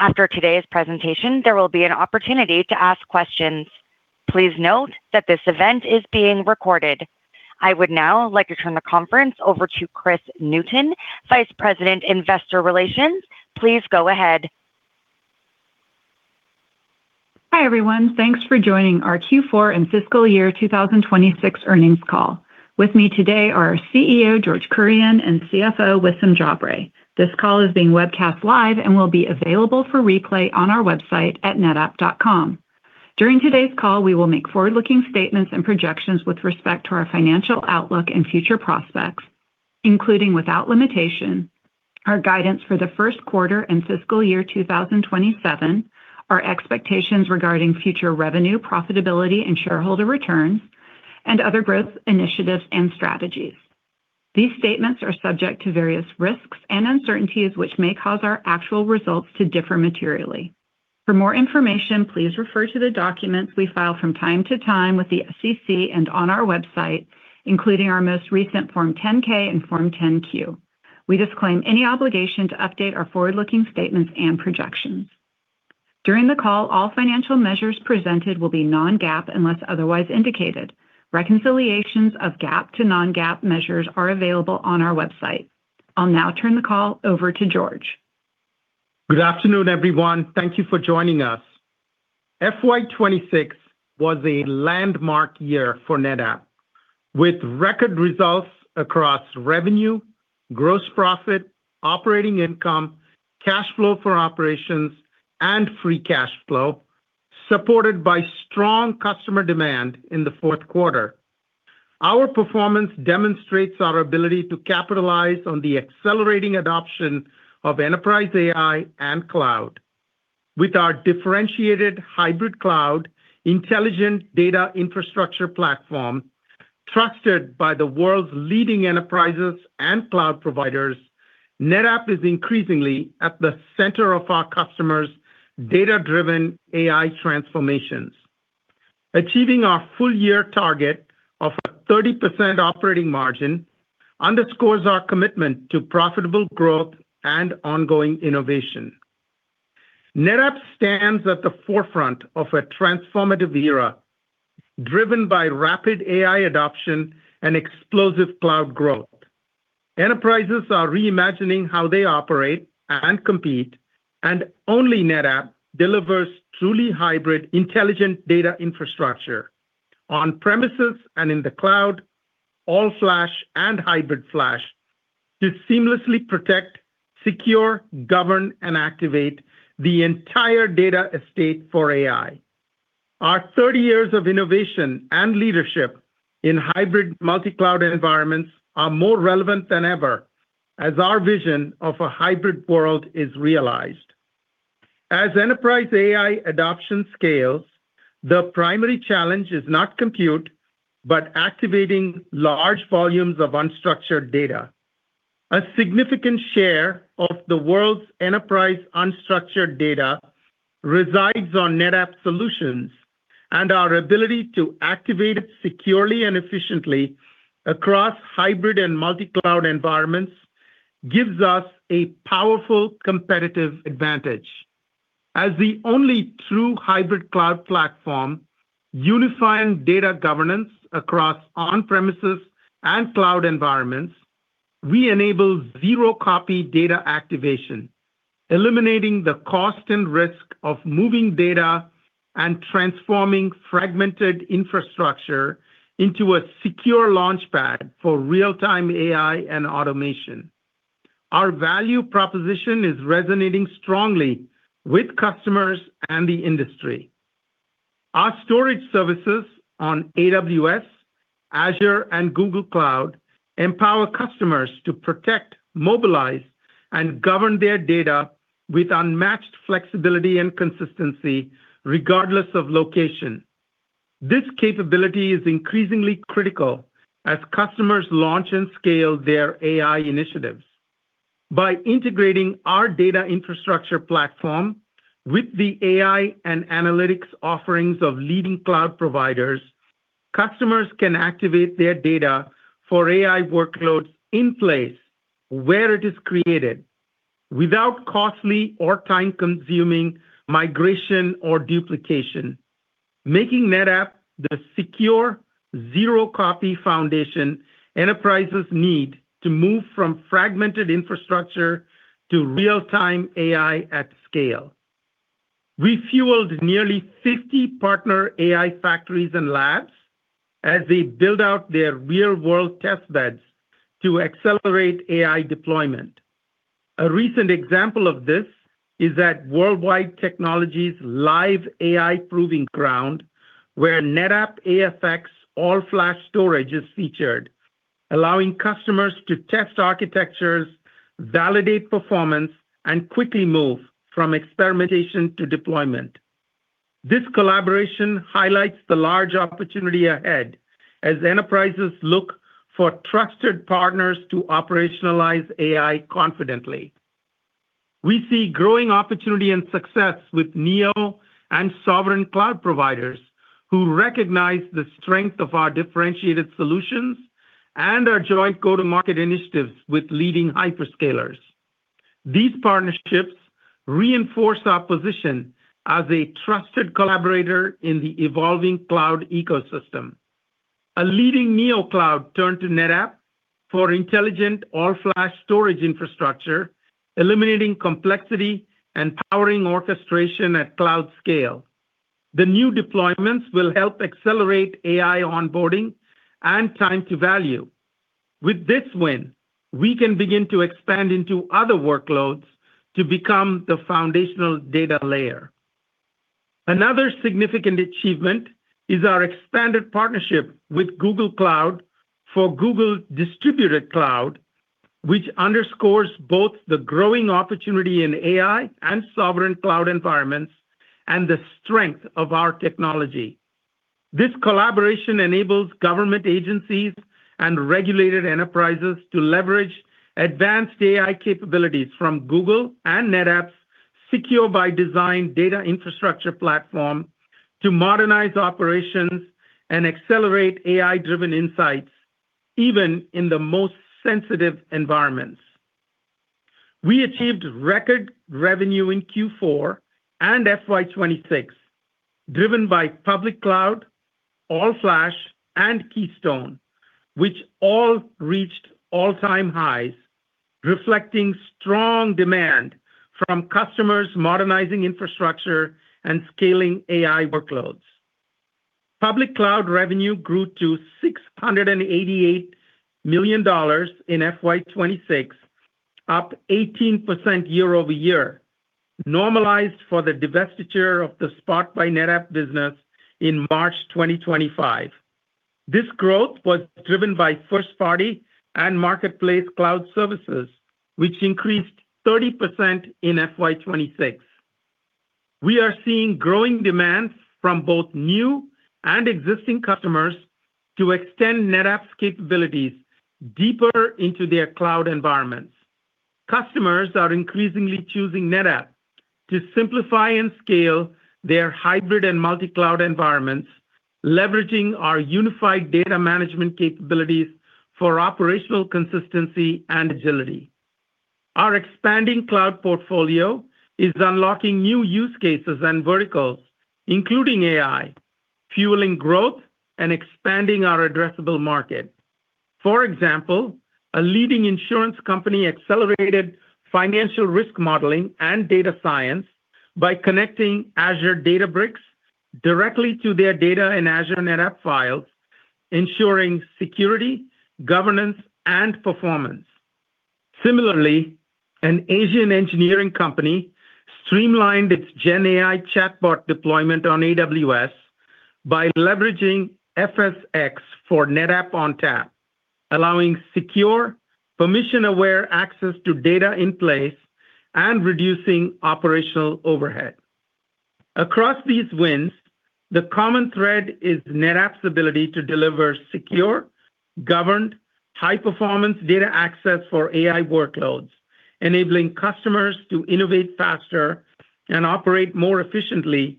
After today's presentation, there will be an opportunity to ask questions. Please note that this event is being recorded. I would now like to turn the conference over to Kris Newton, Vice President, Investor Relations. Please go ahead. Hi, everyone. Thanks for joining our Q4 and FY 2026 earnings call. With me today are our CEO, George Kurian, and CFO, Wissam Jabre. This call is being webcast live and will be available for replay on our website at netapp.com. During today's call, we will make forward-looking statements and projections with respect to our financial outlook and future prospects, including, without limitation, our guidance for the first quarter and FY 2027, our expectations regarding future revenue, profitability, and shareholder returns, and other growth initiatives and strategies. These statements are subject to various risks and uncertainties, which may cause our actual results to differ materially. For more information, please refer to the documents we file from time to time with the SEC and on our website, including our most recent Form 10-K and Form 10-Q. We disclaim any obligation to update our forward-looking statements and projections. During the call, all financial measures presented will be non-GAAP unless otherwise indicated. Reconciliations of GAAP to non-GAAP measures are available on our website. I'll now turn the call over to George. Good afternoon, everyone. Thank you for joining us. FY 2026 was a landmark year for NetApp, with record results across revenue, gross profit, operating income, cash flow for operations, and free cash flow, supported by strong customer demand in the fourth quarter. Our performance demonstrates our ability to capitalize on the accelerating adoption of enterprise AI and cloud. With our differentiated hybrid cloud intelligent data infrastructure platform, trusted by the world's leading enterprises and cloud providers, NetApp is increasingly at the center of our customers' data-driven AI transformations. Achieving our full-year target of a 30% operating margin underscores our commitment to profitable growth and ongoing innovation. NetApp stands at the forefront of a transformative era driven by rapid AI adoption and explosive cloud growth. Enterprises are reimagining how they operate and compete. Only NetApp delivers truly hybrid intelligent data infrastructure on-premises and in the cloud, all-flash and hybrid flash to seamlessly protect, secure, govern, and activate the entire data estate for AI. Our 30 years of innovation and leadership in hybrid multi-cloud environments are more relevant than ever as our vision of a hybrid world is realized. As enterprise AI adoption scales, the primary challenge is not compute, but activating large volumes of unstructured data. A significant share of the world's enterprise unstructured data resides on NetApp solutions. Our ability to activate it securely and efficiently across hybrid and multi-cloud environments gives us a powerful competitive advantage. As the only true hybrid cloud platform unifying data governance across on-premises and cloud environments, we enable zero-copy data activation, eliminating the cost and risk of moving data and transforming fragmented infrastructure into a secure launchpad for real-time AI and automation. Our value proposition is resonating strongly with customers and the industry. Our storage services on AWS, Azure, and Google Cloud empower customers to protect, mobilize, and govern their data with unmatched flexibility and consistency regardless of location. This capability is increasingly critical as customers launch and scale their AI initiatives. By integrating our data infrastructure platform with the AI and analytics offerings of leading cloud providers, customers can activate their data for AI workloads in place where it is created, without costly or time-consuming migration or duplication, making NetApp the secure zero-copy foundation enterprises need to move from fragmented infrastructure to real-time AI at scale. We fueled nearly 50 partner AI factories and labs as they build out their real-world test beds to accelerate AI deployment. A recent example of this is at World Wide Technology's live AI proving ground, where NetApp AFX all-flash storage is featured, allowing customers to test architectures, validate performance, and quickly move from experimentation to deployment. This collaboration highlights the large opportunity ahead as enterprises look for trusted partners to operationalize AI confidently. We see growing opportunity and success with neo and sovereign cloud providers who recognize the strength of our differentiated solutions. Our joint go-to-market initiatives with leading hyperscalers. These partnerships reinforce our position as a trusted collaborator in the evolving cloud ecosystem. A leading neo-cloud turned to NetApp for intelligent all-flash storage infrastructure, eliminating complexity and powering orchestration at cloud scale. The new deployments will help accelerate AI onboarding and time to value. With this win, we can begin to expand into other workloads to become the foundational data layer. Another significant achievement is our expanded partnership with Google Cloud for Google Distributed Cloud, which underscores both the growing opportunity in AI and sovereign cloud environments and the strength of our technology. This collaboration enables government agencies and regulated enterprises to leverage advanced AI capabilities from Google and NetApp's secure-by-design data infrastructure platform to modernize operations and accelerate AI-driven insights, even in the most sensitive environments. We achieved record revenue in Q4 and FY 2026, driven by public cloud, all-flash, and Keystone, which all reached all-time highs, reflecting strong demand from customers modernizing infrastructure and scaling AI workloads. Public cloud revenue grew to $688 million in FY 2026, up 18% year-over-year, normalized for the divestiture of the Spot by NetApp business in March 2025. This growth was driven by first-party and marketplace cloud services, which increased 30% in FY 2026. We are seeing growing demands from both new and existing customers to extend NetApp's capabilities deeper into their cloud environments. Customers are increasingly choosing NetApp to simplify and scale their hybrid and multi-cloud environments, leveraging our unified data management capabilities for operational consistency and agility. Our expanding cloud portfolio is unlocking new use cases and verticals, including AI, fueling growth and expanding our addressable market. For example, a leading insurance company accelerated financial risk modeling and data science by connecting Azure Databricks directly to their data in Azure NetApp Files, ensuring security, governance, and performance. Similarly, an Asian engineering company streamlined its GenAI chatbot deployment on AWS by leveraging FSx for NetApp ONTAP, allowing secure, permission-aware access to data in place and reducing operational overhead. Across these wins, the common thread is NetApp's ability to deliver secure, governed, high-performance data access for AI workloads, enabling customers to innovate faster and operate more efficiently,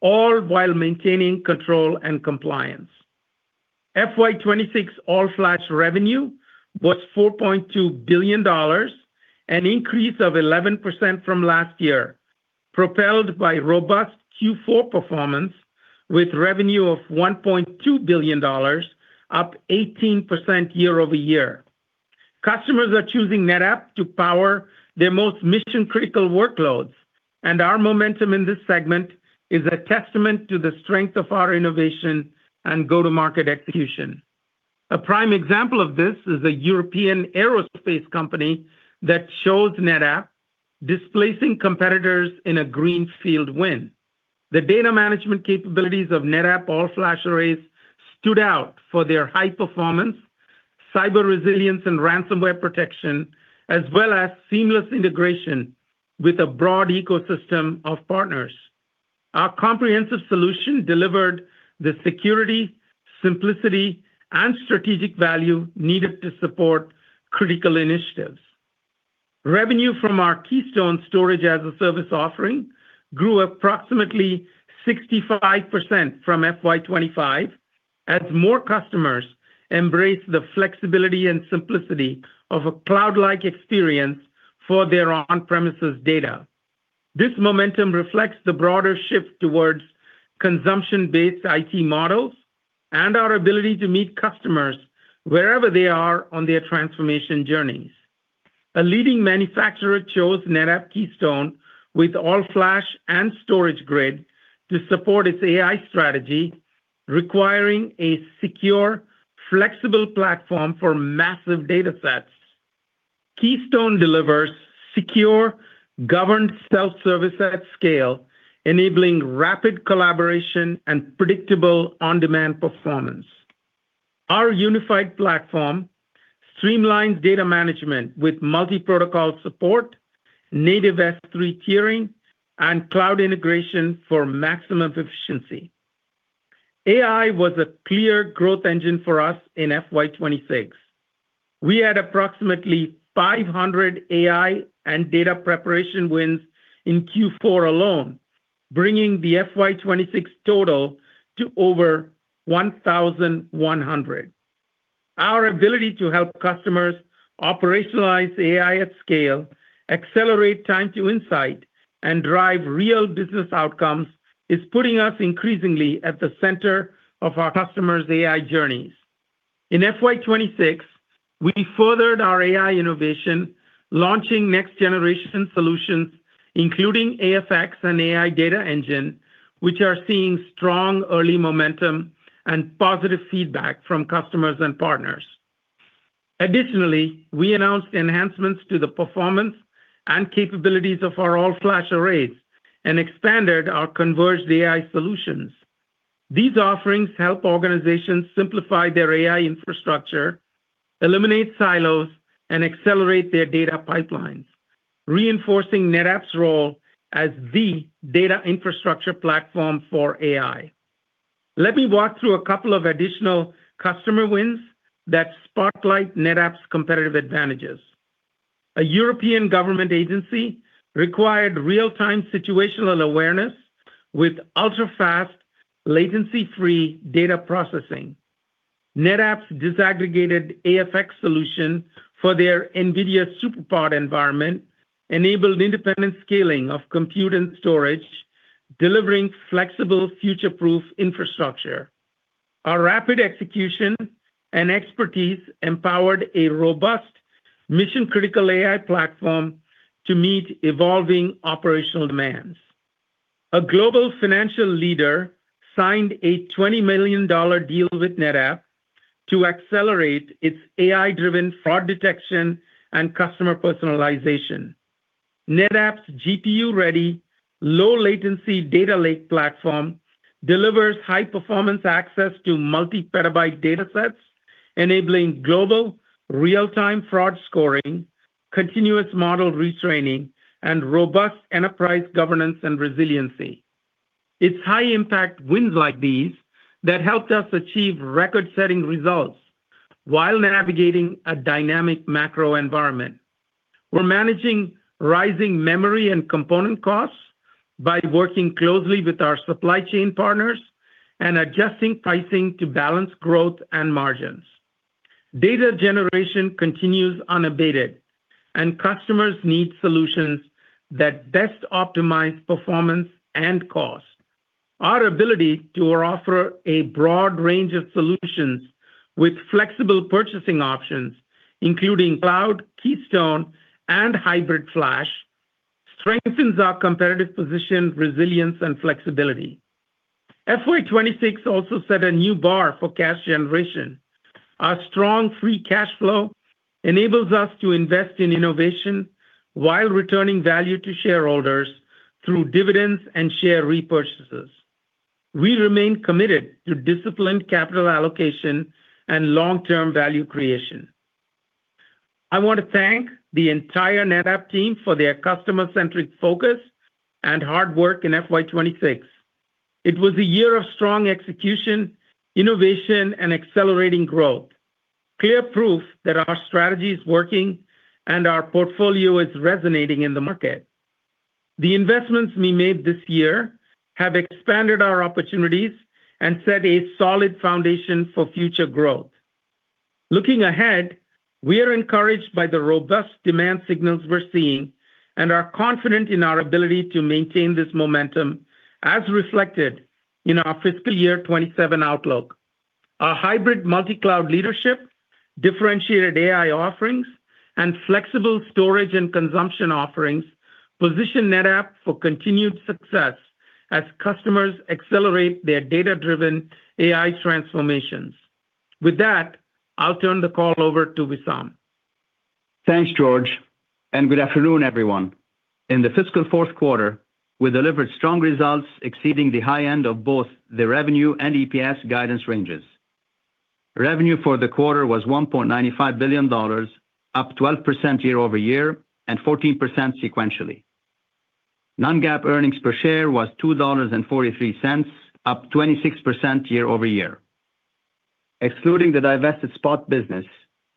all while maintaining control and compliance. FY 2026 all-flash revenue was $4.2 billion, an increase of 11% from last year, propelled by robust Q4 performance with revenue of $1.2 billion, up 18% year-over-year. Customers are choosing NetApp to power their most mission-critical workloads, and our momentum in this segment is a testament to the strength of our innovation and go-to-market execution. A prime example of this is a European aerospace company that chose NetApp, displacing competitors in a greenfield win. The data management capabilities of NetApp all-flash arrays stood out for their high performance, cyber resilience, and ransomware protection, as well as seamless integration with a broad ecosystem of partners. Our comprehensive solution delivered the security, simplicity, and strategic value needed to support critical initiatives. Revenue from our Keystone storage-as-a-service offering grew approximately 65% from FY 2025, as more customers embrace the flexibility and simplicity of a cloud-like experience for their on-premises data. This momentum reflects the broader shift towards consumption-based IT models and our ability to meet customers wherever they are on their transformation journeys. A leading manufacturer chose NetApp Keystone with all-flash and StorageGRID to support its AI strategy, requiring a secure, flexible platform for massive datasets. Keystone delivers secure, governed self-service at scale, enabling rapid collaboration and predictable on-demand performance. Our unified platform streamlines data management with multi-protocol support, native S3 tiering, and cloud integration for maximum efficiency. AI was a clear growth engine for us in FY 2026. We had approximately 500 AI and data preparation wins in Q4 alone, bringing the FY 2026 total to over 1,100. Our ability to help customers operationalize AI at scale, accelerate time to insight, and drive real business outcomes is putting us increasingly at the center of our customers' AI journeys. In FY 2026, we furthered our AI innovation, launching next-generation solutions, including AFX and AI Data Engine, which are seeing strong early momentum and positive feedback from customers and partners. Additionally, we announced enhancements to the performance and capabilities of our all-flash arrays and expanded our converged AI solutions. These offerings help organizations simplify their AI infrastructure, eliminate silos, and accelerate their data pipelines, reinforcing NetApp's role as the data infrastructure platform for AI. Let me walk through a couple of additional customer wins that spotlight NetApp's competitive advantages. A European government agency required real-time situational awareness with ultra-fast, latency-free data processing. NetApp's disaggregated AFX solution for their NVIDIA SuperPOD environment enabled independent scaling of compute and storage, delivering flexible future-proof infrastructure. Our rapid execution and expertise empowered a robust mission-critical AI platform to meet evolving operational demands. A global financial leader signed a $20 million deal with NetApp to accelerate its AI-driven fraud detection and customer personalization. NetApp's GPU-ready, low-latency data lake platform delivers high-performance access to multi-petabyte datasets, enabling global real-time fraud scoring, continuous model retraining, and robust enterprise governance and resiliency. It's high-impact wins like these that helped us achieve record-setting results while navigating a dynamic macro environment. We're managing rising memory and component costs by working closely with our supply chain partners and adjusting pricing to balance growth and margins. Data generation continues unabated, and customers need solutions that best optimize performance and cost. Our ability to offer a broad range of solutions with flexible purchasing options, including cloud, Keystone, and hybrid flash, strengthens our competitive position, resilience, and flexibility. FY 2026 also set a new bar for cash generation. Our strong free cash flow enables us to invest in innovation while returning value to shareholders through dividends and share repurchases. We remain committed to disciplined capital allocation and long-term value creation. I want to thank the entire NetApp team for their customer-centric focus and hard work in FY 2026. It was a year of strong execution, innovation, and accelerating growth. Clear proof that our strategy is working and our portfolio is resonating in the market. The investments we made this year have expanded our opportunities and set a solid foundation for future growth. Looking ahead, we are encouraged by the robust demand signals we're seeing and are confident in our ability to maintain this momentum, as reflected in our fiscal year 2027 outlook. Our hybrid multi-cloud leadership, differentiated AI offerings, and flexible storage and consumption offerings position NetApp for continued success as customers accelerate their data-driven AI transformations. With that, I'll turn the call over to Wissam. Thanks, George, and good afternoon, everyone. In the fiscal fourth quarter, we delivered strong results exceeding the high end of both the revenue and EPS guidance ranges. Revenue for the quarter was $1.95 billion, up 12% year-over-year and 14% sequentially. Non-GAAP earnings per share was $2.43, up 26% year-over-year. Excluding the divested Spot business,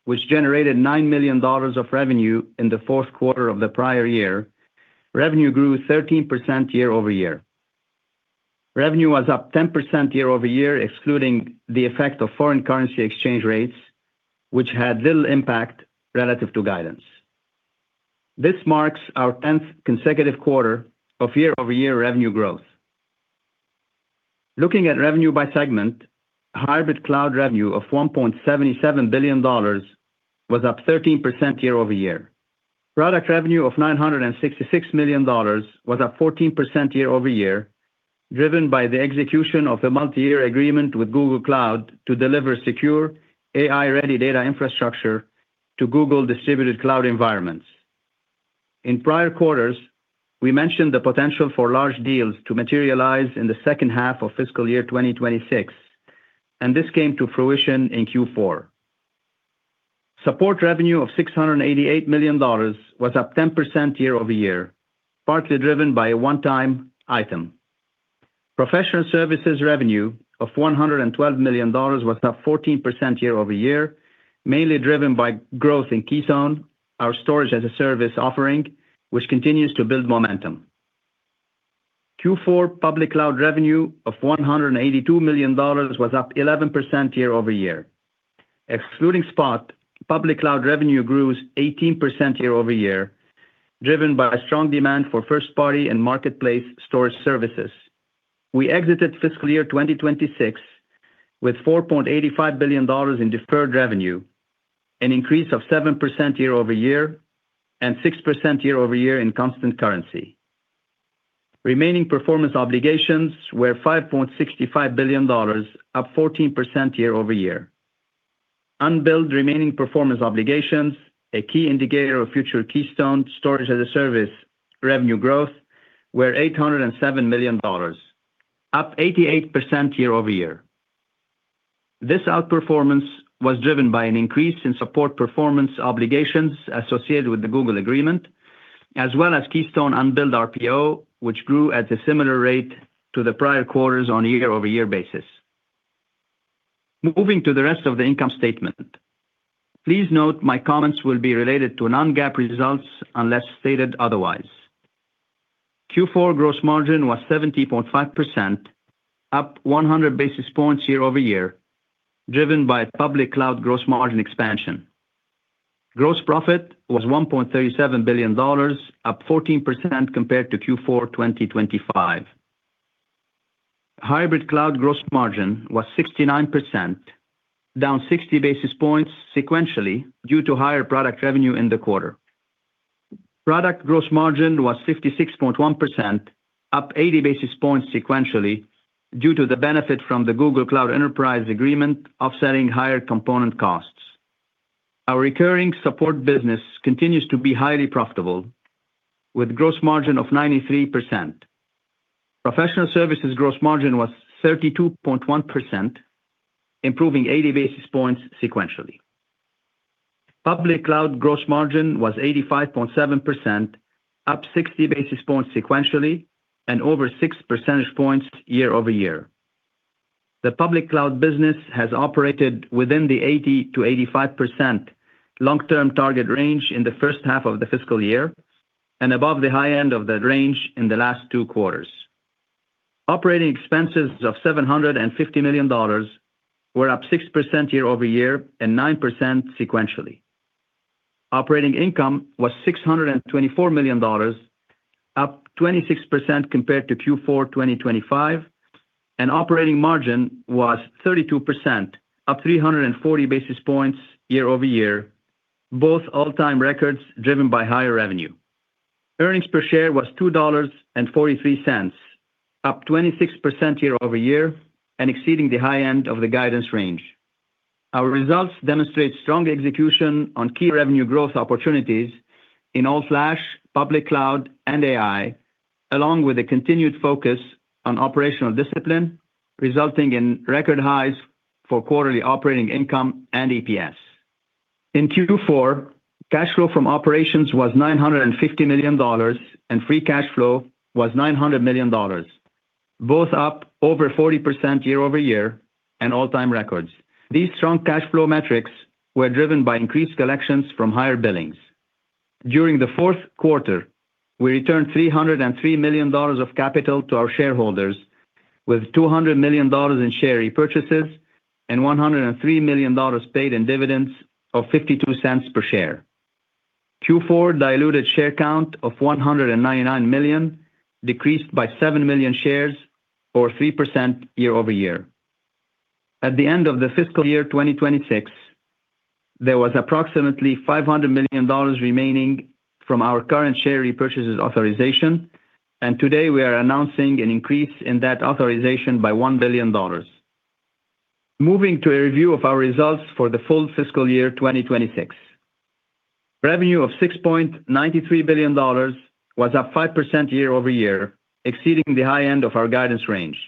which generated $9 million of revenue in the fourth quarter of the prior year, revenue grew 13% year-over-year. Revenue was up 10% year-over-year, excluding the effect of foreign currency exchange rates, which had little impact relative to guidance. This marks our 10th consecutive quarter of year-over-year revenue growth. Looking at revenue by segment, hybrid cloud revenue of $1.77 billion was up 13% year-over-year. Product revenue of $966 million was up 14% year-over-year, driven by the execution of a multi-year agreement with Google Cloud to deliver secure AI-ready data infrastructure to Google Distributed Cloud environments. In prior quarters, we mentioned the potential for large deals to materialize in the second half of fiscal year 2026, and this came to fruition in Q4. Support revenue of $688 million was up 10% year-over-year, partly driven by a one-time item. Professional services revenue of $112 million was up 14% year-over-year, mainly driven by growth in Keystone, our storage-as-a-service offering, which continues to build momentum. Q4 public cloud revenue of $182 million was up 11% year-over-year. Excluding Spot, public cloud revenue grew 18% year-over-year, driven by a strong demand for first-party and marketplace storage services. We exited fiscal year 2026 with $4.85 billion in deferred revenue, an increase of 7% year-over-year, 6% year-over-year in constant currency. Remaining performance obligations were $5.65 billion, up 14% year-over-year. Unbilled remaining performance obligations, a key indicator of future Keystone storage-as-a-service revenue growth, were $807 million, up 88% year-over-year. This outperformance was driven by an increase in support performance obligations associated with the Google agreement, as well as Keystone unbilled RPO, which grew at a similar rate to the prior quarters on a year-over-year basis. Moving to the rest of the income statement. Please note my comments will be related to non-GAAP results unless stated otherwise. Q4 gross margin was 70.5%, up 100 basis points year-over-year, driven by public cloud gross margin expansion. Gross profit was $1.37 billion, up 14% compared to Q4 2025. Hybrid cloud gross margin was 69%, down 60 basis points sequentially due to higher product revenue in the quarter. Product gross margin was 56.1%, up 80 basis points sequentially due to the benefit from the Google Cloud enterprise agreement offsetting higher component costs. Our recurring support business continues to be highly profitable, with gross margin of 93%. Professional services gross margin was 32.1%, improving 80 basis points sequentially. Public cloud gross margin was 85.7%, up 60 basis points sequentially and over 6 percentage points year-over-year. The public cloud business has operated within the 80%-85% long-term target range in the first half of the fiscal year, and above the high end of that range in the last two quarters. Operating expenses of $750 million were up 6% year-over-year and 9% sequentially. Operating income was $624 million, up 26% compared to Q4 2025, and operating margin was 32%, up 340 basis points year-over-year, both all-time records driven by higher revenue. Earnings per share was $2.43, up 26% year-over-year and exceeding the high end of the guidance range. Our results demonstrate strong execution on key revenue growth opportunities in all-flash, public cloud, and AI, along with a continued focus on operational discipline, resulting in record highs for quarterly operating income and EPS. In Q4, cash flow from operations was $950 million, and free cash flow was $900 million, both up over 40% year-over-year and all-time records. These strong cash flow metrics were driven by increased collections from higher billings. During the fourth quarter, we returned $303 million of capital to our shareholders with $200 million in share repurchases and $103 million paid in dividends of $0.52 per share. Q4 diluted share count of 199 million decreased by 7 million shares, or 3% year-over-year. At the end of the fiscal year 2026, there was approximately $500 million remaining from our current share repurchases authorization. Today we are announcing an increase in that authorization by $1 billion. Moving to a review of our results for the full fiscal year 2026. Revenue of $6.93 billion was up 5% year-over-year, exceeding the high end of our guidance range.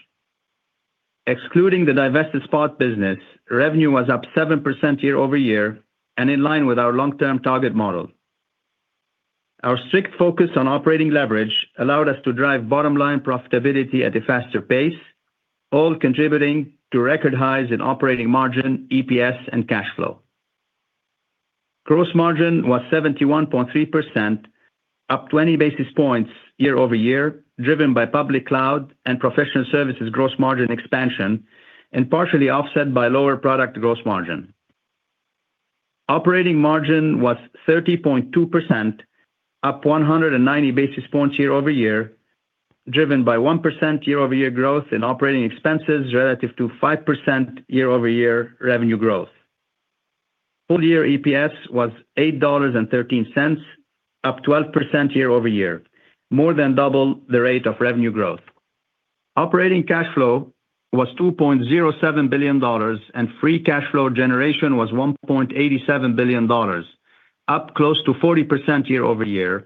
Excluding the divested Spot business, revenue was up 7% year-over-year and in line with our long-term target model. Our strict focus on operating leverage allowed us to drive bottom-line profitability at a faster pace, all contributing to record highs in operating margin, EPS, and cash flow. Gross margin was 71.3%, up 20 basis points year-over-year, driven by public cloud and professional services gross margin expansion and partially offset by lower product gross margin. Operating margin was 30.2%, up 190 basis points year-over-year, driven by 1% year-over-year growth in operating expenses relative to 5% year-over-year revenue growth. Full-year EPS was $8.13, up 12% year-over-year, more than double the rate of revenue growth. Operating cash flow was $2.07 billion, and free cash flow generation was $1.87 billion, up close to 40% year-over-year,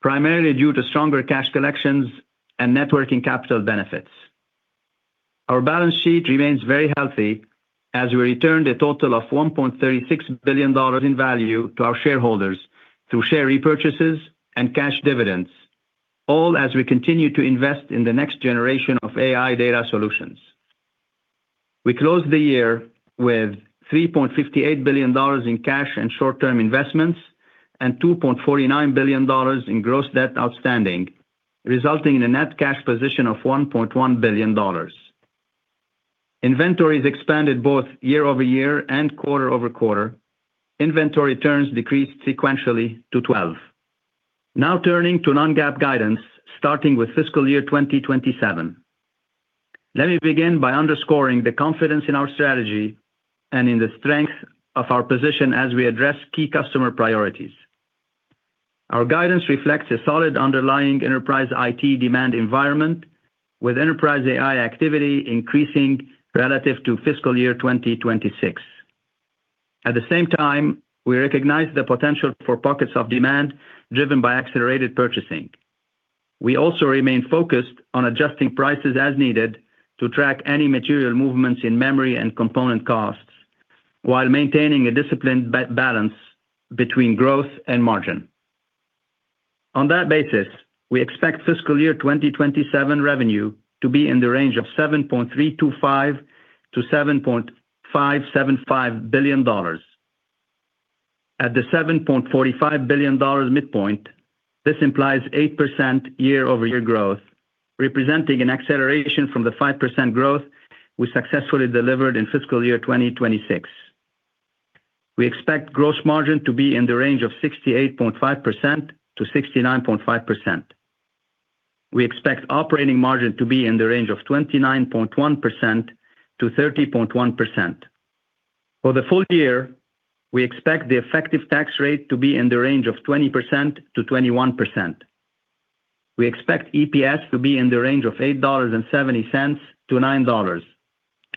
primarily due to stronger cash collections and networking capital benefits. Our balance sheet remains very healthy as we returned a total of $1.36 billion in value to our shareholders through share repurchases and cash dividends, all as we continue to invest in the next generation of AI data solutions. We closed the year with $3.58 billion in cash and short-term investments and $2.49 billion in gross debt outstanding, resulting in a net cash position of $1.1 billion. Inventories expanded both year-over-year and quarter-over-quarter. Inventory turns decreased sequentially to 12. Now turning to non-GAAP guidance, starting with fiscal year 2027. Let me begin by underscoring the confidence in our strategy and in the strength of our position as we address key customer priorities. Our guidance reflects a solid underlying enterprise IT demand environment with enterprise AI activity increasing relative to fiscal year 2026. At the same time, we recognize the potential for pockets of demand driven by accelerated purchasing. We also remain focused on adjusting prices as needed to track any material movements in memory and component costs, while maintaining a disciplined balance between growth and margin. On that basis, we expect fiscal year 2027 revenue to be in the range of $7.325 billion-$7.575 billion. At the $7.45 billion midpoint, this implies 8% year-over-year growth, representing an acceleration from the 5% growth we successfully delivered in fiscal year 2026. We expect gross margin to be in the range of 68.5%-69.5%. We expect operating margin to be in the range of 29.1%-30.1%. For the full-year, we expect the effective tax rate to be in the range of 20%-21%. We expect EPS to be in the range of $8.70-$9.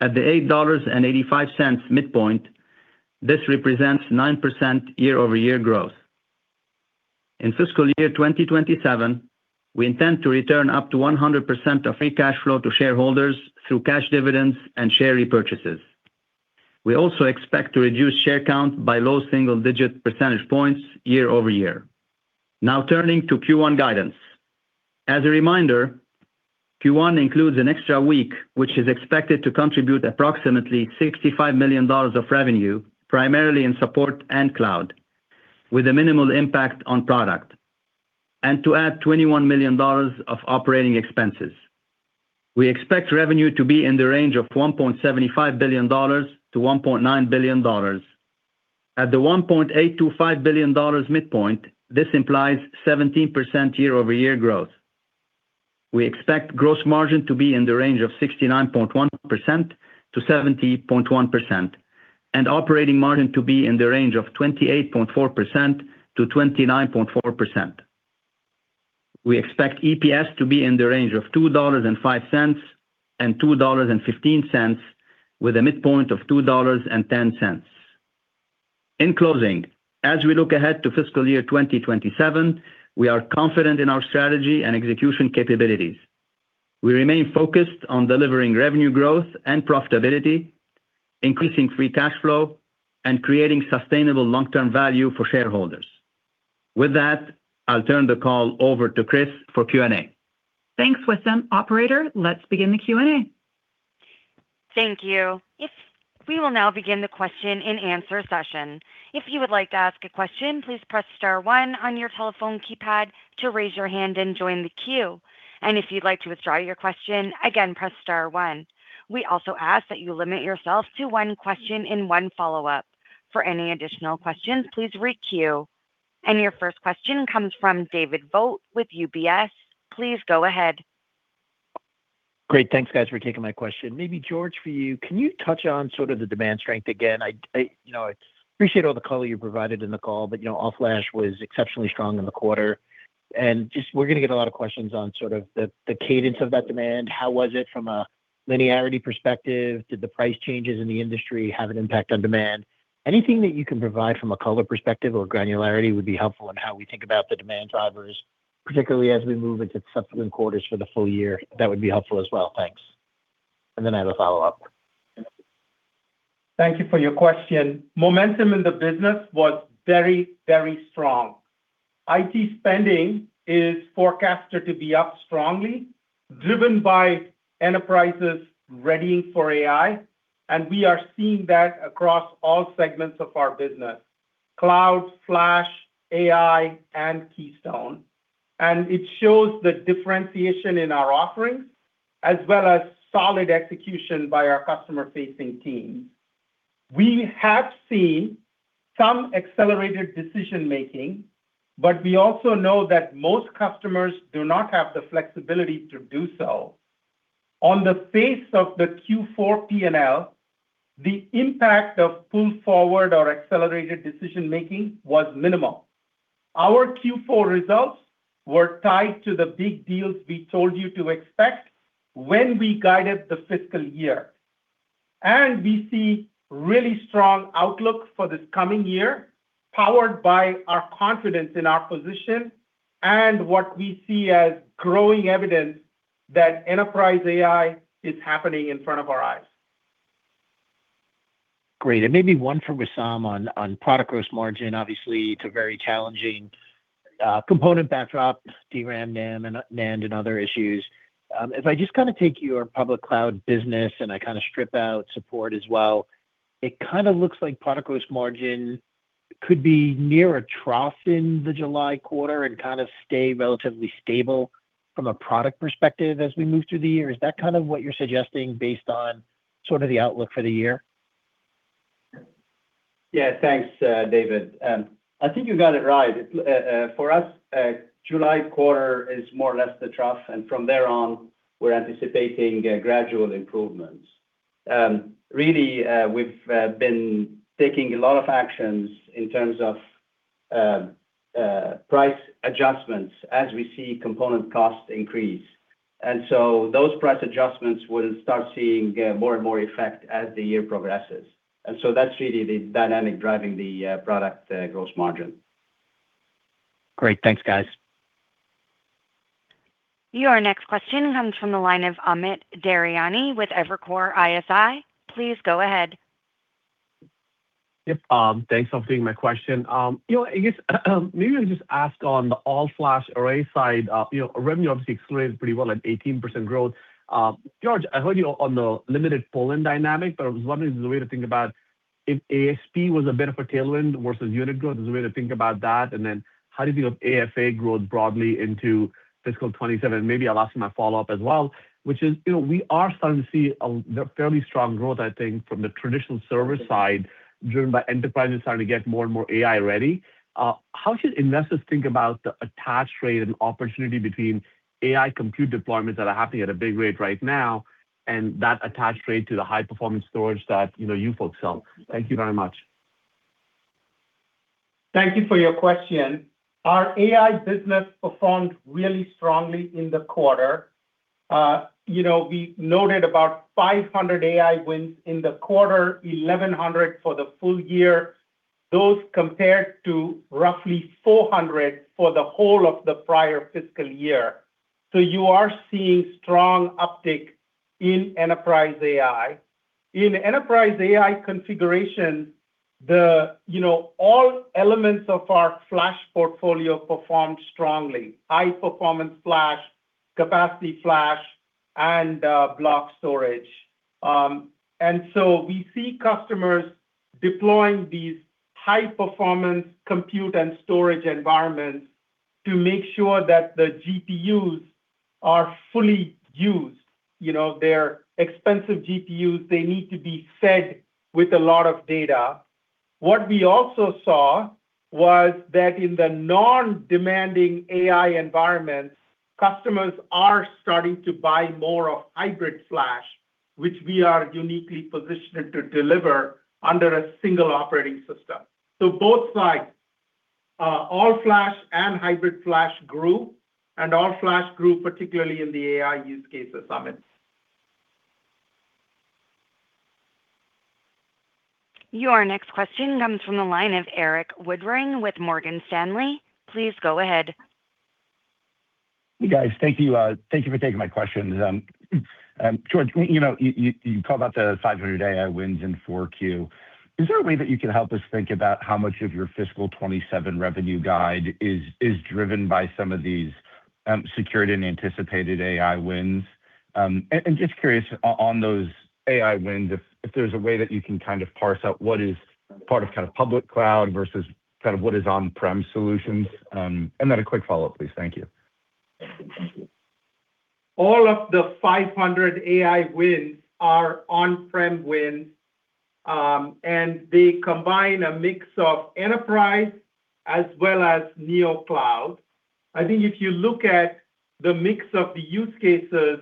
At the $8.85 midpoint, this represents 9% year-over-year growth. In fiscal year 2027, we intend to return up to 100% of free cash flow to shareholders through cash dividends and share repurchases. We also expect to reduce share count by low single-digit percentage points year-over-year. Now turning to Q1 guidance. As a reminder, Q1 includes an extra week, which is expected to contribute approximately $65 million of revenue, primarily in support and cloud, with a minimal impact on product, and to add $21 million of operating expenses. We expect revenue to be in the range of $1.75 billion-$1.9 billion. At the $1.825 billion midpoint, this implies 17% year-over-year growth. We expect gross margin to be in the range of 69.1%-70.1% and operating margin to be in the range of 28.4%-29.4%. We expect EPS to be in the range of $2.05-$2.15, with a midpoint of $2.10. In closing, as we look ahead to fiscal year 2027, we are confident in our strategy and execution capabilities. We remain focused on delivering revenue growth and profitability, increasing free cash flow, and creating sustainable long-term value for shareholders. With that, I'll turn the call over to Kris for Q&A. Thanks, Wissam. Operator, let's begin the Q&A. Thank you. We will now begin the question-and-answer session. If you would like to ask a question, please press star one on your telephone keypad to raise your hand and join the queue. If you'd like to withdraw your question, again, press star one. We also ask that you limit yourself to one question and one follow-up. For any additional questions, please re-queue. Your first question comes from David Vogt with UBS. Please go ahead. Great. Thanks, guys, for taking my question. Maybe George, for you, can you touch on sort of the demand strength again? I appreciate all the color you provided in the call. All Flash was exceptionally strong in the quarter. We're going to get a lot of questions on sort of the cadence of that demand. How was it from a linearity perspective? Did the price changes in the industry have an impact on demand? Anything that you can provide from a color perspective or granularity would be helpful in how we think about the demand drivers, particularly as we move into subsequent quarters for the full-year. That would be helpful as well. Thanks, and I have a follow-up. Thank you for your question. Momentum in the business was very, very strong. IT spending is forecasted to be up strongly, driven by enterprises readying for AI, and we are seeing that across all segments of our business, cloud, Flash, AI, and Keystone. It shows the differentiation in our offerings as well as solid execution by our customer-facing teams. We have seen some accelerated decision-making, but we also know that most customers do not have the flexibility to do so. On the face of the Q4 P&L, the impact of pull forward or accelerated decision-making was minimal. Our Q4 results were tied to the big deals we told you to expect when we guided the fiscal year. We see really strong outlook for this coming year, powered by our confidence in our position and what we see as growing evidence that enterprise AI is happening in front of our eyes. Great. Maybe one for Wissam on product gross margin. Obviously, it's a very challenging component backdrop, DRAM, NAND, and other issues. If I just take your public cloud business, and I strip out support as well, it looks like product gross margin could be near a trough in the July quarter and stay relatively stable from a product perspective as we move through the year. Is that what you're suggesting based on the outlook for the year? Yeah. Thanks, David. I think you got it right. For us, July quarter is more or less the trough. From there on, we're anticipating gradual improvements. Really, we've been taking a lot of actions in terms of price adjustments as we see component costs increase. Those price adjustments will start seeing more and more effect as the year progresses. That's really the dynamic driving the product gross margin. Great. Thanks, guys. Your next question comes from the line of Amit Daryanani with Evercore ISI. Please go ahead. Yep. Thanks for taking my question. I guess maybe I'll just ask on the all-flash array side. Revenue obviously accelerated pretty well at 18% growth. George, I heard you on the limited pull-in dynamic, but I was wondering, is the way to think about if ASP was a benefit tailwind versus unit growth, is the way to think about that, and then how do you view AFA growth broadly into fiscal 2027? Maybe I'll ask you my follow-up as well, which is, we are starting to see a fairly strong growth, I think, from the traditional server side, driven by enterprises starting to get more and more AI-ready. How should investors think about the attach rate and opportunity between AI compute deployments that are happening at a big rate right now, and that attach rate to the high-performance storage that you folks sell? Thank you very much. Thank you for your question. Our AI business performed really strongly in the quarter. We noted about 500 AI wins in the quarter, 1,100 for the full-year. Those compared to roughly 400 for the whole of the prior fiscal year. You are seeing strong uptick in enterprise AI. In enterprise AI configuration, all elements of our flash portfolio performed strongly: high-performance flash, capacity flash, and block storage. We see customers deploying these high-performance compute and storage environments to make sure that the GPUs are fully used. They're expensive GPUs. They need to be fed with a lot of data. What we also saw was that in the non-demanding AI environments, customers are starting to buy more of hybrid flash, which we are uniquely positioned to deliver under a single operating system. Both sides, all-flash and hybrid flash grew, and all-flash grew particularly in the AI use cases, Amit. Your next question comes from the line of Erik Woodring with Morgan Stanley. Please go ahead. Hey, guys. Thank you for taking my questions. George, you called out the 500 AI wins in 4Q. Is there a way that you can help us think about how much of your fiscal 2027 revenue guide is driven by some of these secured and anticipated AI wins? Just curious, on those AI wins, if there's a way that you can parse out what is part of public cloud versus what is on-prem solutions. Then a quick follow-up, please. Thank you. All of the 500 AI wins are on-prem wins, and they combine a mix of enterprise as well as neo cloud. I think if you look at the mix of the use cases,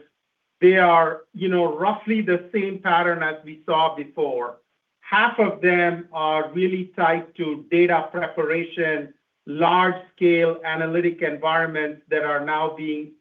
they are roughly the same pattern as we saw before. Half of them are really tied to data preparation, large-scale analytic environments that are now being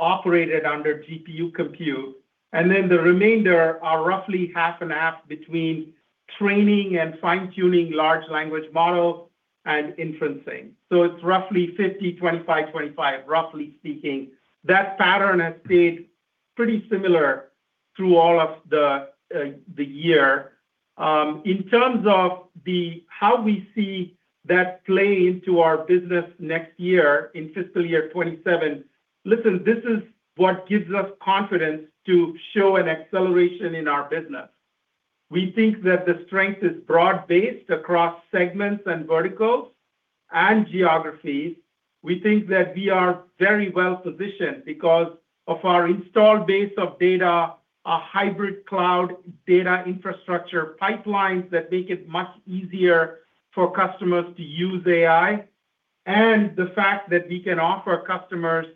operated under GPU compute. The remainder are roughly half and half between training and fine-tuning large language models and inferencing. It's roughly 50/25/25, roughly speaking. That pattern has stayed pretty similar through all of the year. In terms of how we see that play into our business next year in fiscal year 2027, listen, this is what gives us confidence to show an acceleration in our business. We think that the strength is broad-based across segments and verticals and geographies. We think that we are very well-positioned because of our installed base of data, our hybrid cloud data infrastructure pipelines that make it much easier for customers to use AI, and the fact that we can offer customers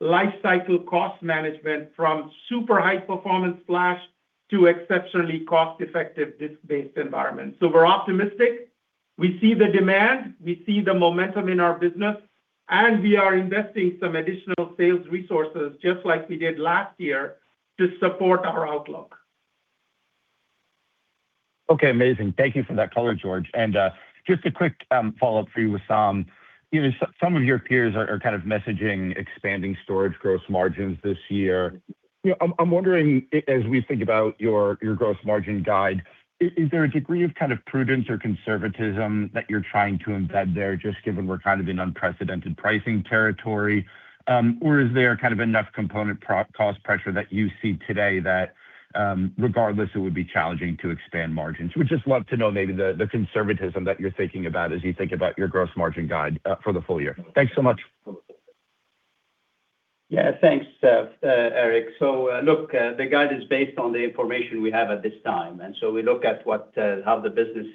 life cycle cost management from super high-performance flash to exceptionally cost-effective disk-based environments. We're optimistic. We see the demand, we see the momentum in our business, and we are investing some additional sales resources, just like we did last year to support our outlook. Okay, amazing. Thank you for that color, George. Just a quick follow-up for you, Wissam. Some of your peers are messaging expanding storage gross margins this year. I'm wondering, as we think about your gross margin guide, is there a degree of prudence or conservatism that you're trying to embed there, just given we're in unprecedented pricing territory? Or is there enough component cost pressure that you see today that, regardless, it would be challenging to expand margins? Would just love to know maybe the conservatism that you're thinking about as you think about your gross margin guide for the full-year. Thanks so much. Thanks, Erik. Look, the guide is based on the information we have at this time, we look at how the business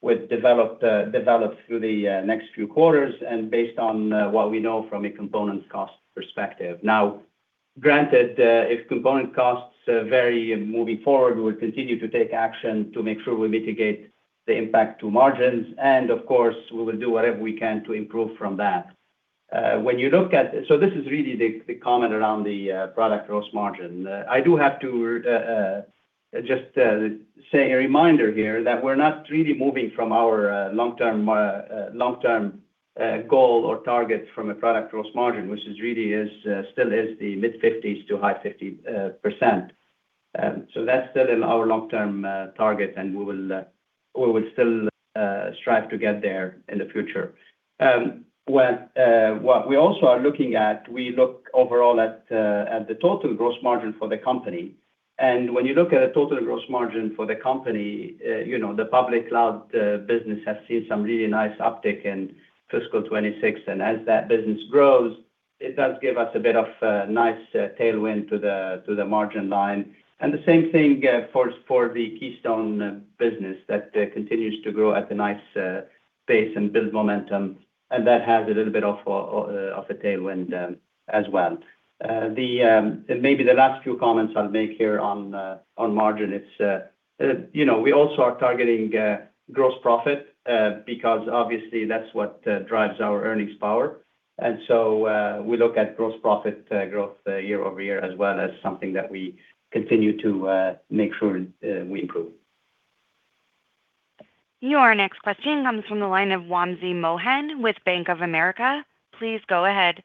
would develop through the next few quarters and based on what we know from a component cost perspective. Granted, if component costs vary moving forward, we will continue to take action to make sure we mitigate the impact to margins, of course, we will do whatever we can to improve from that. This is really the comment around the product gross margin. I do have to just say a reminder here that we're not really moving from our long-term goal or target from a product gross margin, which really still is the mid 50% to high 50%. That's still in our long-term target, we will still strive to get there in the future. What we also are looking at, we look overall at the total gross margin for the company. When you look at the total gross margin for the company, the public cloud business has seen some really nice uptick in fiscal 2026. As that business grows, it does give us a bit of a nice tailwind to the margin line. The same thing for the Keystone business that continues to grow at a nice pace and build momentum, and that has a little bit of a tailwind as well. Maybe the last few comments I'll make here on margin, we also are targeting gross profit, because obviously that's what drives our earnings power. We look at gross profit growth year-over-year as well as something that we continue to make sure we improve. Your next question comes from the line of Wamsi Mohan with Bank of America. Please go ahead.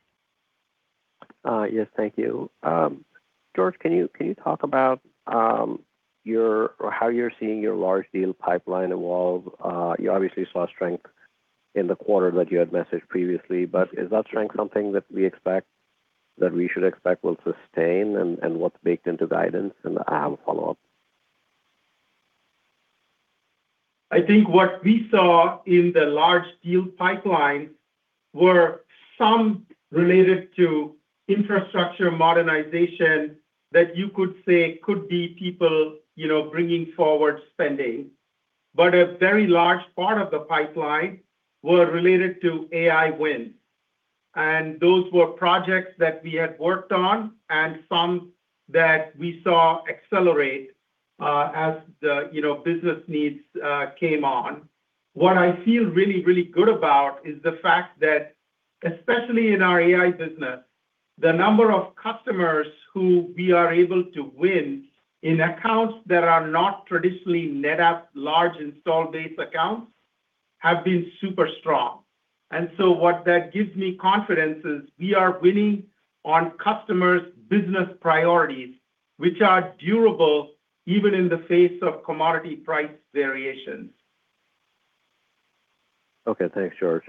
Yes, thank you. George, can you talk about how you're seeing your large deal pipeline evolve? You obviously saw strength in the quarter that you had messaged previously, but is that strength something that we should expect will sustain, and what's baked into guidance? I have a follow-up. I think what we saw in the large deal pipeline were some related to infrastructure modernization that you could say could be people bringing forward spending. A very large part of the pipeline were related to AI wins. Those were projects that we had worked on and some that we saw accelerate as the business needs came on. What I feel really, really good about is the fact that, especially in our AI business, the number of customers who we are able to win in accounts that are not traditionally NetApp large installed base accounts have been super strong. What that gives me confidence is we are winning on customers' business priorities, which are durable even in the face of commodity price variations. Okay. Thanks, George.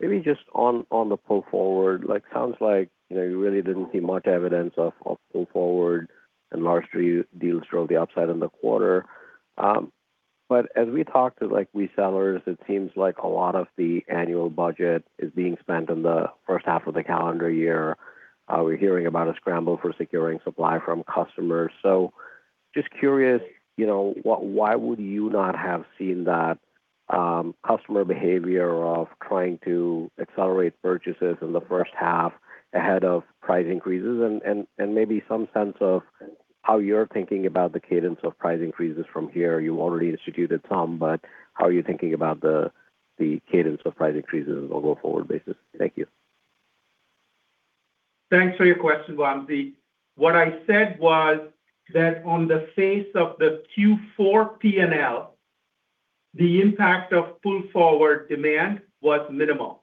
Maybe just on the pull forward, sounds like you really didn't see much evidence of pull forward and large deals drove the upside in the quarter. As we talk to resellers, it seems like a lot of the annual budget is being spent in the first half of the calendar year. We're hearing about a scramble for securing supply from customers. Just curious, why would you not have seen that customer behavior of trying to accelerate purchases in the first half ahead of price increases? Maybe some sense of how you're thinking about the cadence of price increases from here. You already instituted some, but how are you thinking about the cadence of price increases on a go-forward basis? Thank you. Thanks for your question, Wamsi. What I said was that on the face of the Q4 P&L, the impact of pull-forward demand was minimal.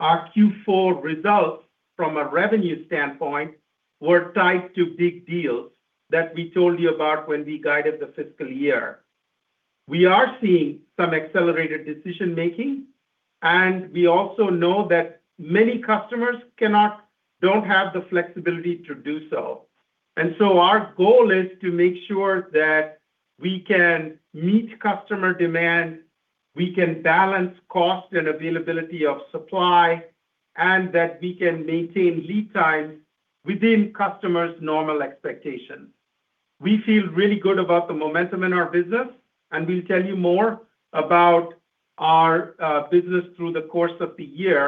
Our Q4 results from a revenue standpoint were tied to big deals that we told you about when we guided the fiscal year. We are seeing some accelerated decision-making, and we also know that many customers don't have the flexibility to do so. Our goal is to make sure that we can meet customer demand, we can balance cost and availability of supply, and that we can maintain lead times within customers' normal expectations. We feel really good about the momentum in our business, and we'll tell you more about our business through the course of the year.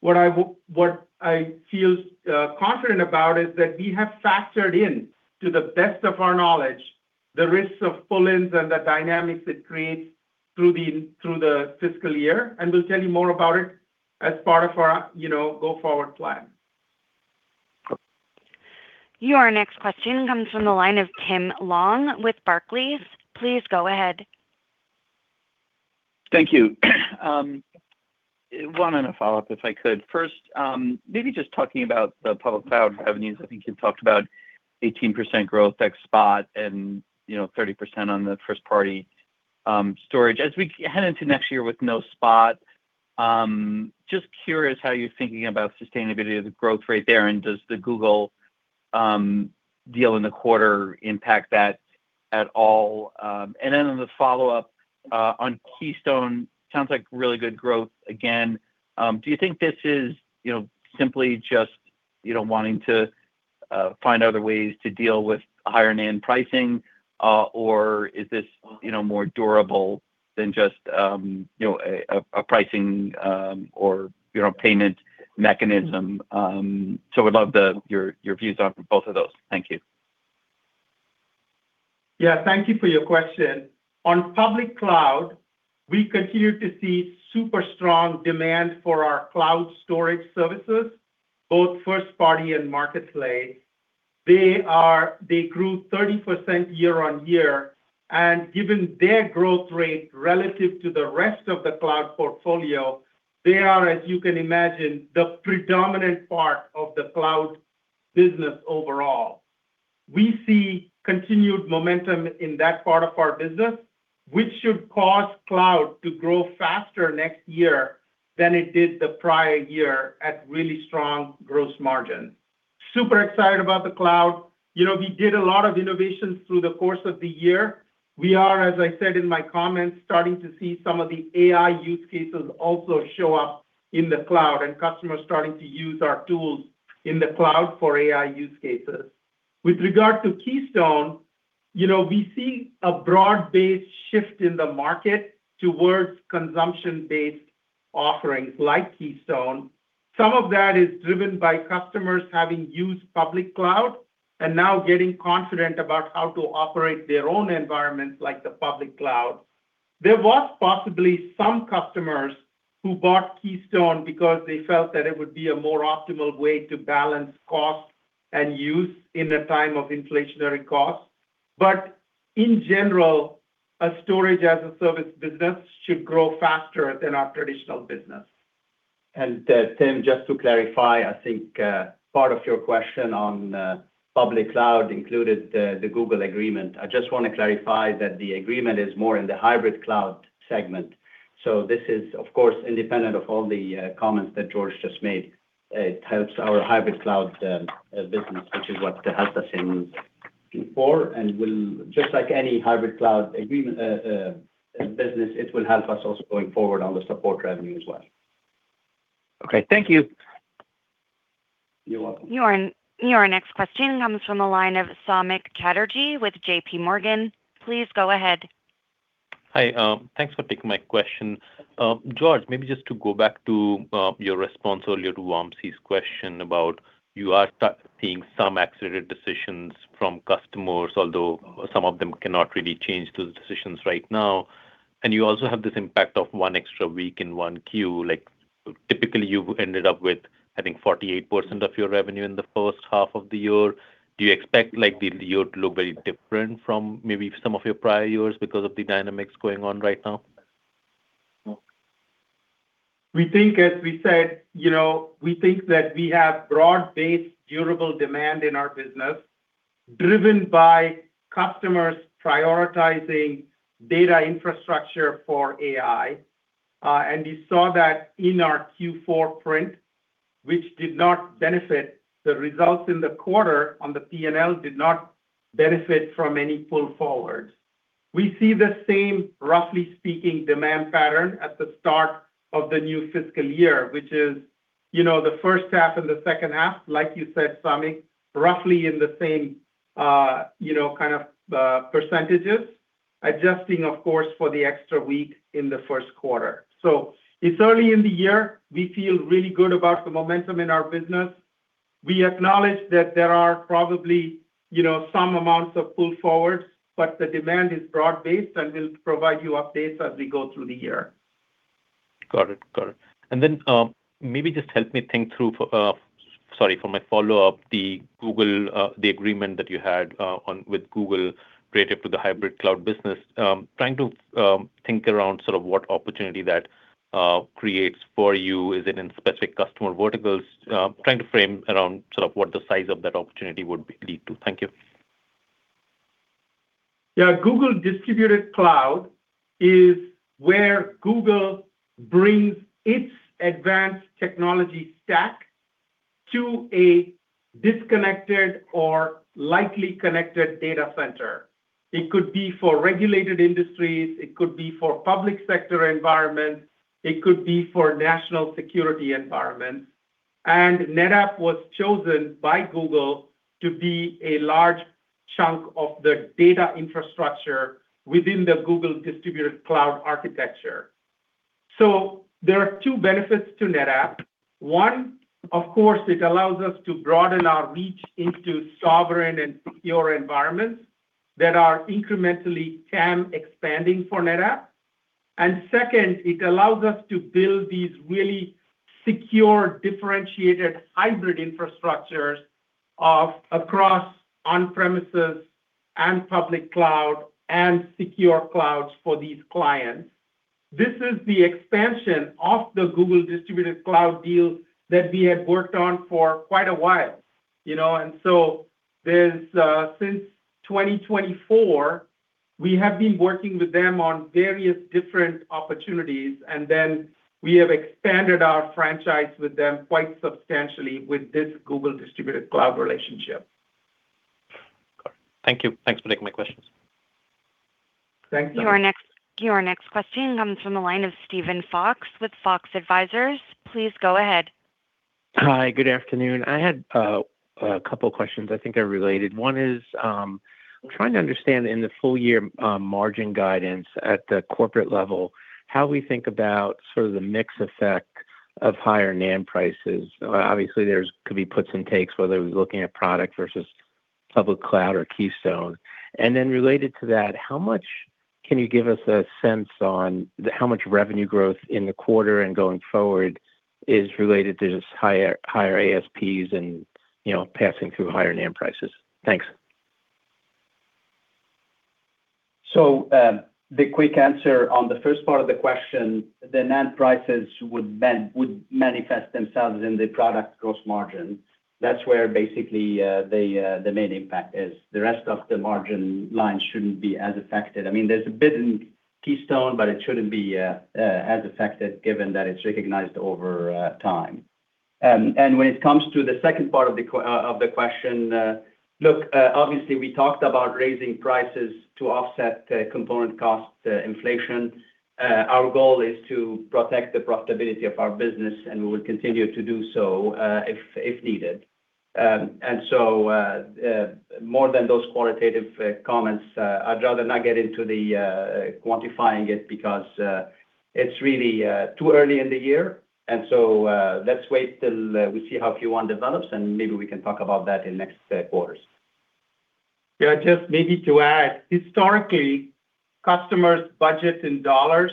What I feel confident about is that we have factored in, to the best of our knowledge, the risks of pull-ins and the dynamics it creates through the fiscal year, and we'll tell you more about it as part of our go-forward plan. Your next question comes from the line of Tim Long with Barclays. Please go ahead. Thank you. One and a follow-up, if I could. First, maybe just talking about the public cloud revenues. I think you talked about 18% growth ex-Spot and 30% on the first-party storage. As we head into next year with no Spot, just curious how you're thinking about sustainability of the growth rate there, and does the Google deal in the quarter impact that at all? Then on the follow-up, on Keystone, sounds like really good growth again. Do you think this is simply just wanting to find other ways to deal with higher NAND pricing, or is this more durable than just a pricing or payment mechanism? Would love your views on both of those. Thank you. Yeah, thank you for your question. On public cloud, we continue to see super strong demand for our cloud storage services, both first party and marketplace. They grew 30% year-over-year, and given their growth rate relative to the rest of the cloud portfolio, they are, as you can imagine, the predominant part of the cloud business overall. We see continued momentum in that part of our business, which should cause cloud to grow faster next year than it did the prior year at really strong gross margin. Super excited about the cloud. We did a lot of innovations through the course of the year. We are, as I said in my comments, starting to see some of the AI use cases also show up in the cloud, and customers starting to use our tools in the cloud for AI use cases. With regard to Keystone, we see a broad-based shift in the market towards consumption-based offerings like Keystone. Some of that is driven by customers having used public cloud and now getting confident about how to operate their own environments, like the public cloud. There was possibly some customers who bought Keystone because they felt that it would be a more optimal way to balance cost and use in the time of inflationary costs. In general, a storage-as-a-service business should grow faster than our traditional business. Tim, just to clarify, I think part of your question on public cloud included the Google agreement. I just want to clarify that the agreement is more in the hybrid cloud segment. This is, of course, independent of all the comments that George just made. It helps our hybrid cloud business, which is what it helped us in Q4, and just like any hybrid cloud business, it will help us also going forward on the support revenue as well. Okay. Thank you. You're welcome. Your next question comes from the line of Samik Chatterjee with JPMorgan. Please go ahead. Hi, thanks for taking my question. George, maybe just to go back to your response earlier to Wamsi’s question about you are seeing some accelerated decisions from customers, although some of them cannot really change those decisions right now. You also have this impact of one extra week in 1Q. Like, typically, you’ve ended up with, I think, 48% of your revenue in the first half of the year. Do you expect the year to look very different from maybe some of your prior years because of the dynamics going on right now? We think, as we said, we think that we have broad-based, durable demand in our business driven by customers prioritizing data infrastructure for AI. You saw that in our Q4 print, which did not benefit the results in the quarter on the P&L, did not benefit from any pull forward. We see the same, roughly speaking, demand pattern at the start of the new fiscal year, which is the first half and the second half, like you said, Samik, roughly in the same kind of percentages, adjusting, of course, for the extra week in the first quarter. It's early in the year. We feel really good about the momentum in our business. We acknowledge that there are probably some amounts of pull forward, but the demand is broad-based, and we'll provide you updates as we go through the year. Got it. Maybe just help me think through, sorry, for my follow-up, the agreement that you had with Google related to the hybrid cloud business. Trying to think around what opportunity that creates for you. Is it in specific customer verticals? Trying to frame around what the size of that opportunity would lead to. Thank you. Yeah, Google Distributed Cloud is where Google brings its advanced technology stack to a disconnected or lightly connected data center. It could be for regulated industries, it could be for public sector environments, it could be for national security environments. NetApp was chosen by Google to be a large chunk of the data infrastructure within the Google Distributed Cloud architecture. There are two benefits to NetApp. One, of course, it allows us to broaden our reach into sovereign and secure environments that are incrementally TAM expanding for NetApp. Second, it allows us to build these really secure, differentiated hybrid infrastructures across on-premises and public cloud and secure clouds for these clients. This is the expansion of the Google Distributed Cloud deal that we had worked on for quite a while. Since 2024, we have been working with them on various different opportunities, and then we have expanded our franchise with them quite substantially with this Google Distributed Cloud relationship. Got it, thanks for taking my questions. Thank you. Your next question comes from the line of Steven Fox with Fox Advisors. Please go ahead. Hi, good afternoon. I had a couple questions. I think they're related. One is, I am trying to understand in the full-year margin guidance at the corporate level, how we think about sort of the mix effect of higher NAND prices. Obviously, there could be puts and takes, whether we are looking at product versus public cloud or NetApp Keystone. Then, related to that, can you give us a sense on how much revenue growth in the quarter and going forward is related to just higher ASPs and passing through higher NAND prices? Thanks. The quick answer on the first part of the question, the NAND prices would manifest themselves in the product gross margin. That's where basically the main impact is. The rest of the margin line shouldn't be as affected. There's a bit in Keystone, but it shouldn't be as affected given that it's recognized over time. When it comes to the second part of the question, look, obviously we talked about raising prices to offset component cost inflation. Our goal is to protect the profitability of our business, and we will continue to do so if needed. More than those qualitative comments, I'd rather not get into the quantifying it because it's really too early in the year. Let's wait till we see how Q1 develops, and maybe we can talk about that in next quarters. Yeah, just maybe to add, historically, customers budget in dollars,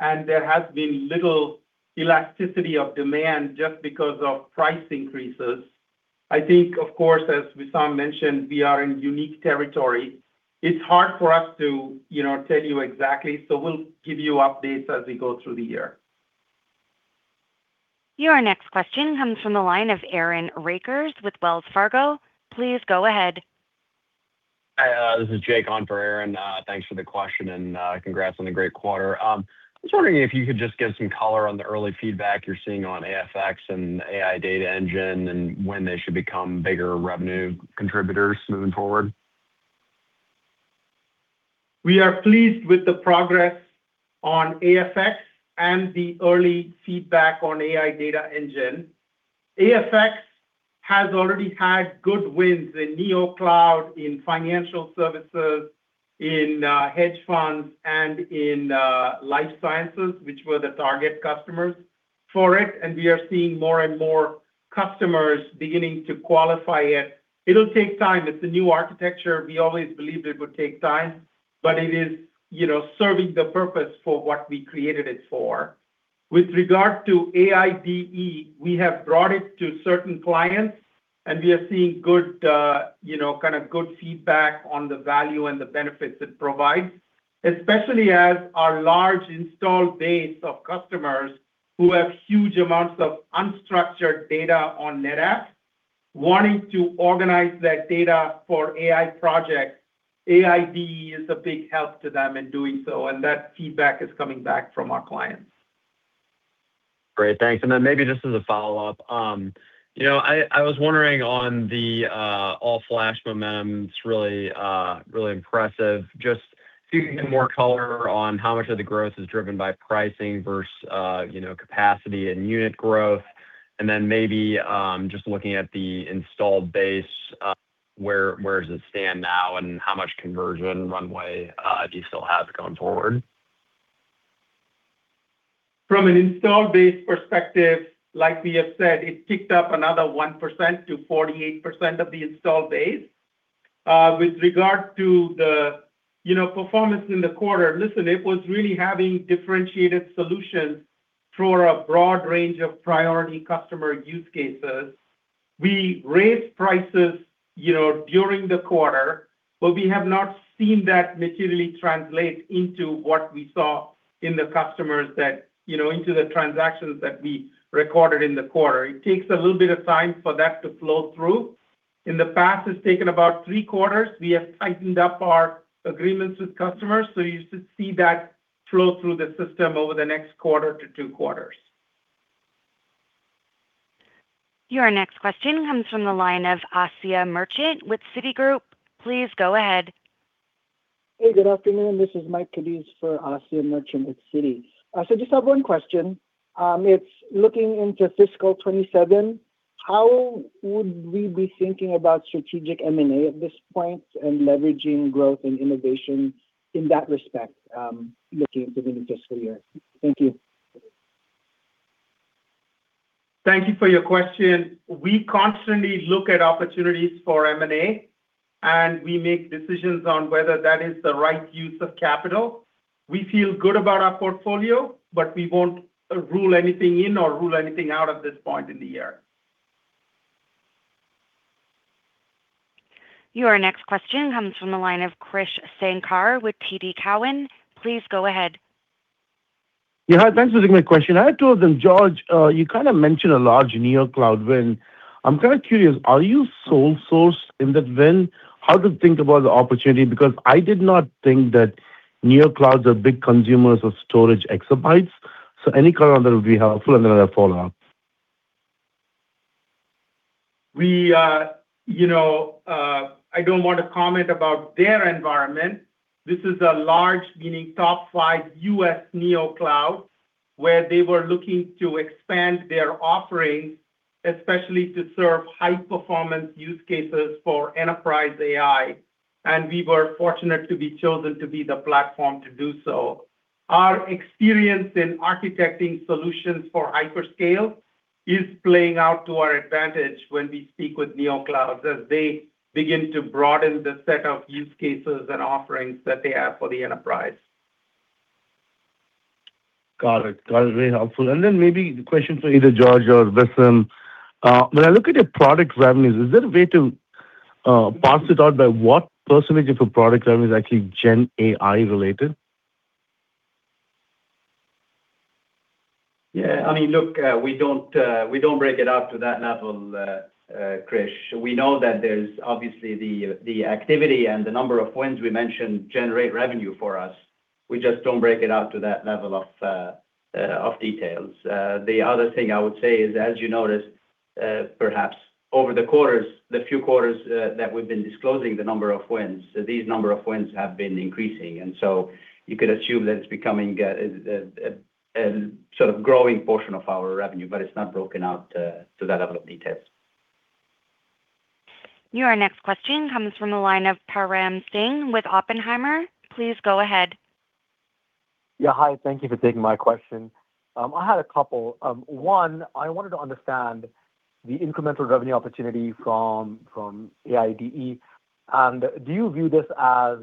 and there has been little elasticity of demand just because of price increases. I think, of course, as Wissam mentioned, we are in unique territory. It's hard for us to tell you exactly, so we'll give you updates as we go through the year. Your next question comes from the line of Aaron Rakers with Wells Fargo. Please go ahead. Hi, this is Jake on for Aaron. Thanks for the question and congrats on the great quarter. I was wondering if you could just give some color on the early feedback you're seeing on AFX and AI Data Engine, and when they should become bigger revenue contributors moving forward. We are pleased with the progress on AFX and the early feedback on AI Data Engine. AFX has already had good wins in Neo cloud, in financial services, in hedge funds, and in life sciences, which were the target customers for it, and we are seeing more and more customers beginning to qualify it. It'll take time. It's a new architecture. We always believed it would take time, but it is serving the purpose for what we created it for. With regard to AIDE, we have brought it to certain clients, and we are seeing good feedback on the value and the benefits it provides, especially as our large installed base of customers who have huge amounts of unstructured data on NetApp wanting to organize that data for AI projects. AIDE is a big help to them in doing so, and that feedback is coming back from our clients. Great, thanks. Maybe just as a follow-up, I was wondering on the all-flash momentum, it's really impressive. Just if you can give more color on how much of the growth is driven by pricing versus capacity and unit growth. Then maybe just looking at the installed base, where does it stand now, and how much conversion runway do you still have going forward? From an installed base perspective, like we have said, it ticked up another 1% to 48% of the installed base. With regard to the performance in the quarter, listen, it was really having differentiated solutions for a broad range of priority customer use cases. We raised prices during the quarter, we have not seen that materially translate into what we saw in the customers, into the transactions that we recorded in the quarter. It takes a little bit of time for that to flow through. In the past, it's taken about three quarters. You should see that flow through the system over the next quarter to two quarters. Your next question comes from the line of Asiya Merchant with Citigroup. Please go ahead. Hey, good afternoon. This is Mike Cadiz on for Asiya Merchant with Citi. Just have one question. It's looking into fiscal 2027, how would we be thinking about strategic M&A at this point and leveraging growth and innovation in that respect, looking into the new fiscal year? Thank you. Thank you for your question. We constantly look at opportunities for M&A, and we make decisions on whether that is the right use of capital. We feel good about our portfolio, but we won't rule anything in or rule anything out at this point in the year. Your next question comes from the line of Krish Sankar with TD Cowen. Please go ahead. Yeah. Thanks for taking my question. I had two of them, George. You mentioned a large neo cloud win. I'm kind of curious, are you sole source in that win? How to think about the opportunity, because I did not think that neo clouds are big consumers of storage exabytes. Any color on that would be helpful, and then I have a follow-up. I don't want to comment about their environment. This is a large, meaning top five U.S. neo cloud, where they were looking to expand their offerings, especially to serve high-performance use cases for enterprise AI. We were fortunate to be chosen to be the platform to do so. Our experience in architecting solutions for hyperscale is playing out to our advantage when we speak with neo clouds, as they begin to broaden the set of use cases and offerings that they have for the enterprise. Got it, that was very helpful. Maybe the question for either George or Wissam. When I look at your product revenues, is there a way to parse it out by what percent of your product revenue is actually GenAI related? Yeah, look, we don't break it out to that level, Krish. We know that there's obviously the activity and the number of wins we mentioned generate revenue for us. We just don't break it out to that level of details. The other thing I would say is, as you noticed, perhaps over the few quarters that we've been disclosing the number of wins, these number of wins have been increasing. You could assume that it's becoming a sort of growing portion of our revenue, but it's not broken out to that level of detail. Your next question comes from the line of Param Singh with Oppenheimer. Please go ahead. Yeah. Hi, thank you for taking my question. I had a couple. One, I wanted to understand the incremental revenue opportunity from AIDE. Do you view this as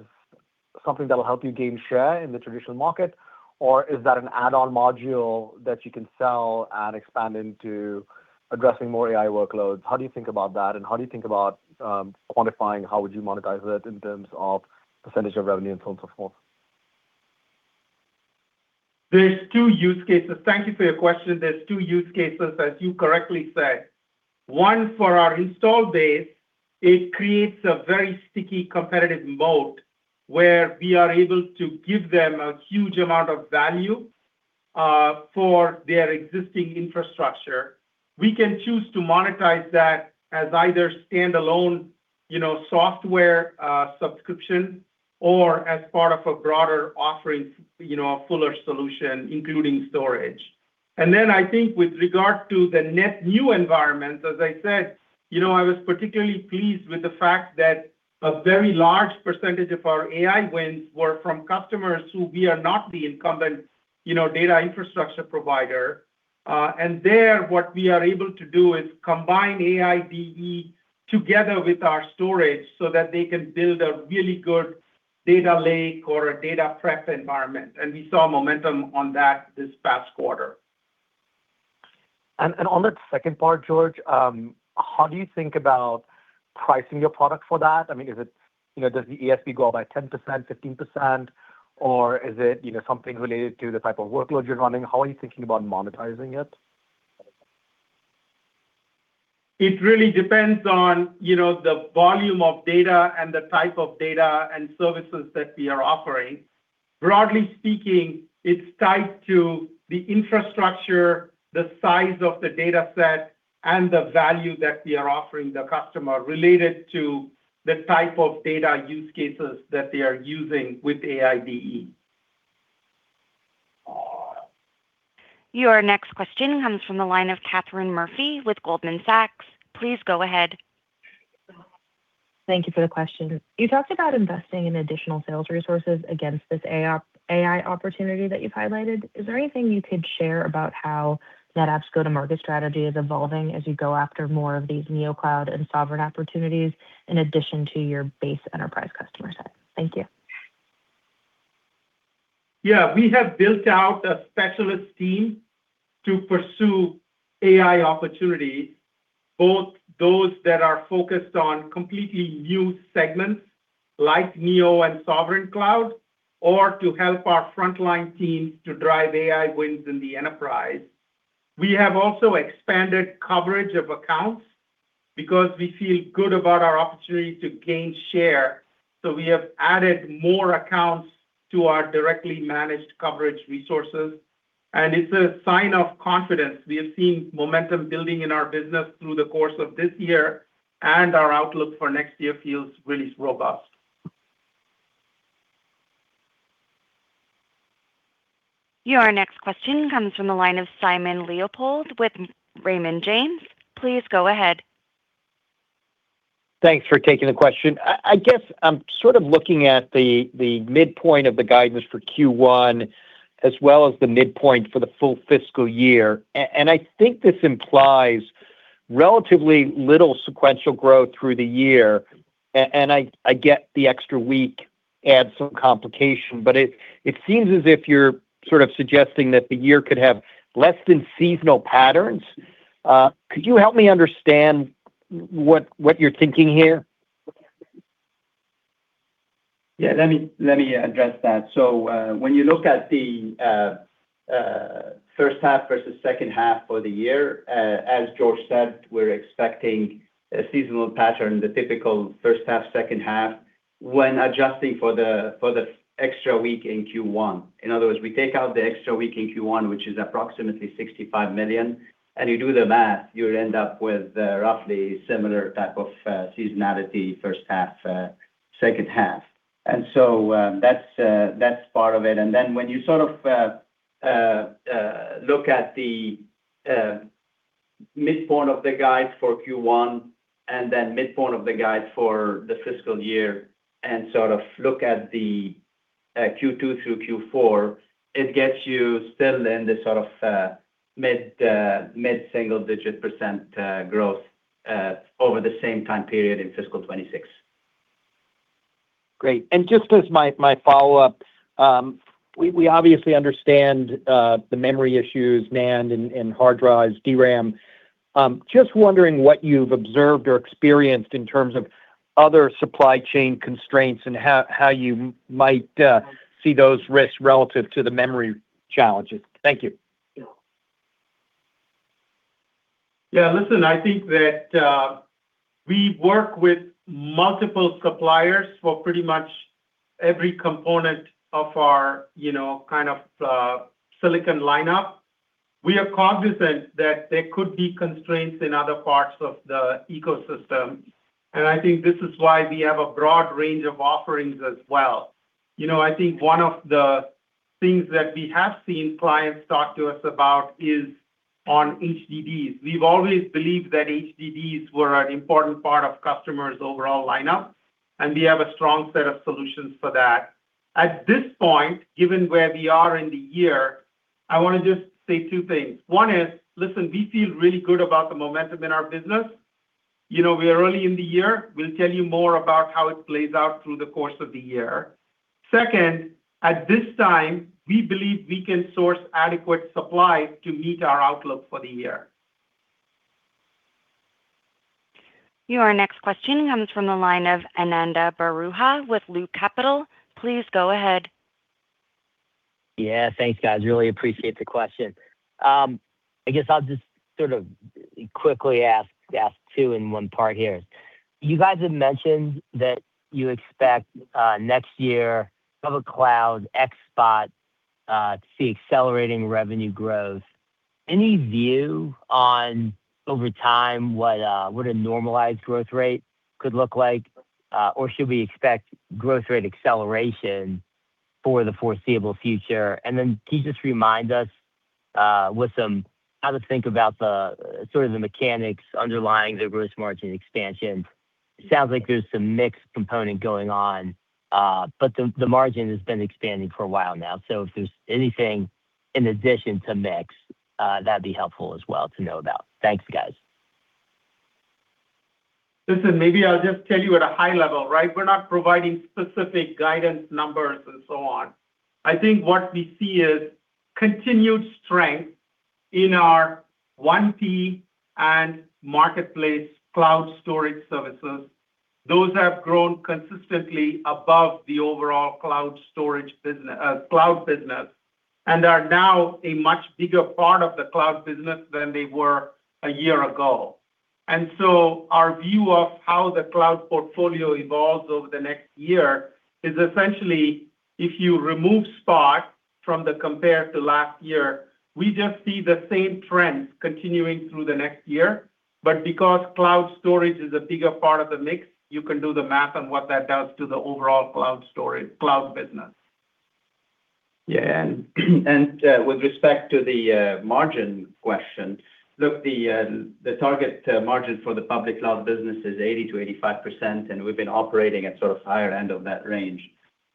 something that will help you gain share in the traditional market, or is that an add-on module that you can sell and expand into addressing more AI workloads? How do you think about that, and how do you think about quantifying how would you monetize it in terms of percentage of revenue and so on, so forth? There's two use cases. Thank you for your question. There's two use cases, as you correctly said. One, for our install base, it creates a very sticky competitive moat where we are able to give them a huge amount of value for their existing infrastructure. We can choose to monetize that as either standalone software subscription or as part of a broader offering, a fuller solution, including storage. Then I think with regard to the net new environments, as I said, I was particularly pleased with the fact that a very large percentage of our AI wins were from customers who we are not the incumbent data infrastructure provider. There, what we are able to do is combine AIDE together with our storage so that they can build a really good data lake or a data prep environment. We saw momentum on that this past quarter. On that second part, George, how do you think about pricing your product for that? Does the ASP go up by 10%, 15%, or is it something related to the type of workload you're running? How are you thinking about monetizing it? It really depends on the volume of data and the type of data and services that we are offering. Broadly speaking, it's tied to the infrastructure, the size of the dataset, and the value that we are offering the customer related to the type of data use cases that they are using with AIDE. Your next question comes from the line of Katherine Murphy with Goldman Sachs. Please go ahead. Thank you for the question. You talked about investing in additional sales resources against this AI opportunity that you've highlighted. Is there anything you could share about how NetApp's go-to-market strategy is evolving as you go after more of these neo cloud and sovereign opportunities in addition to your base enterprise customer set? Thank you. Yeah. We have built out a specialist team to pursue AI opportunities, both those that are focused on completely new segments like neo and sovereign cloud, or to help our frontline teams to drive AI wins in the enterprise. We have also expanded coverage of accounts because we feel good about our opportunity to gain share. We have added more accounts to our directly managed coverage resources. It's a sign of confidence. We are seeing momentum building in our business through the course of this year, and our outlook for next year feels really robust. Your next question comes from the line of Simon Leopold with Raymond James. Please go ahead. Thanks for taking the question. I guess I'm sort of looking at the midpoint of the guidance for Q1 as well as the midpoint for the full fiscal year. I think this implies relatively little sequential growth through the year. I get the extra week adds some complication, but it seems as if you're sort of suggesting that the year could have less than seasonal patterns. Could you help me understand what you're thinking here? Let me address that. When you look at the first half versus second half for the year, as George said, we're expecting a seasonal pattern, the typical first half/second half, when adjusting for the extra week in Q1. In other words, we take out the extra week in Q1, which is approximately $65 million, and you do the math, you'll end up with a roughly similar type of seasonality first half, second half. That's part of it. When you sort of look at the midpoint of the guide for Q1 and then midpoint of the guide for the fiscal year and sort of look at the Q2 through Q4, it gets you still in this sort of mid-single digit percent growth over the same time period in fiscal 2026. Great. Just as my follow-up, we obviously understand the memory issues, NAND and hard drives, DRAM. Just wondering what you've observed or experienced in terms of other supply chain constraints and how you might see those risks relative to the memory challenges? Thank you. Yeah. Listen, I think that we work with multiple suppliers for pretty much every component of our silicon lineup. We are cognizant that there could be constraints in other parts of the ecosystem, and I think this is why we have a broad range of offerings as well. I think one of the things that we have seen clients talk to us about is on HDDs. We've always believed that HDDs were an important part of customers' overall lineup, and we have a strong set of solutions for that. At this point, given where we are in the year, I want to just say two things. One is, listen, we feel really good about the momentum in our business. We are early in the year. We'll tell you more about how it plays out through the course of the year. Second, at this time, we believe we can source adequate supply to meet our outlook for the year. Your next question comes from the line of Ananda Baruah with Loop Capital. Please go ahead. Yeah. Thanks, guys. Really appreciate the question. I guess I'll just sort of quickly ask two in one part here. You guys have mentioned that you expect next year Public Cloud ex-Spot to see accelerating revenue growth. Any view on, over time, what a normalized growth rate could look like? Or should we expect growth rate acceleration for the foreseeable future? Can you just remind us, Wissam, how to think about the sort of the mechanics underlying the gross margin expansion? It sounds like there's some mix component going on. The margin has been expanding for a while now. If there's anything in addition to mix, that'd be helpful as well to know about. Thanks, guys. Listen, maybe I'll just tell you at a high level, right? We're not providing specific guidance numbers and so on. I think what we see is continued strength in our 1P and marketplace cloud storage services. Those have grown consistently above the overall cloud business, and are now a much bigger part of the cloud business than they were a year ago. Our view of how the cloud portfolio evolves over the next year is essentially if you remove Spot from the compare to last year, we just see the same trends continuing through the next year. Because cloud storage is a bigger part of the mix, you can do the math on what that does to the overall cloud business. Yeah. With respect to the margin question, look, the target margin for the public cloud business is 80%-85%, and we've been operating at sort of higher end of that range.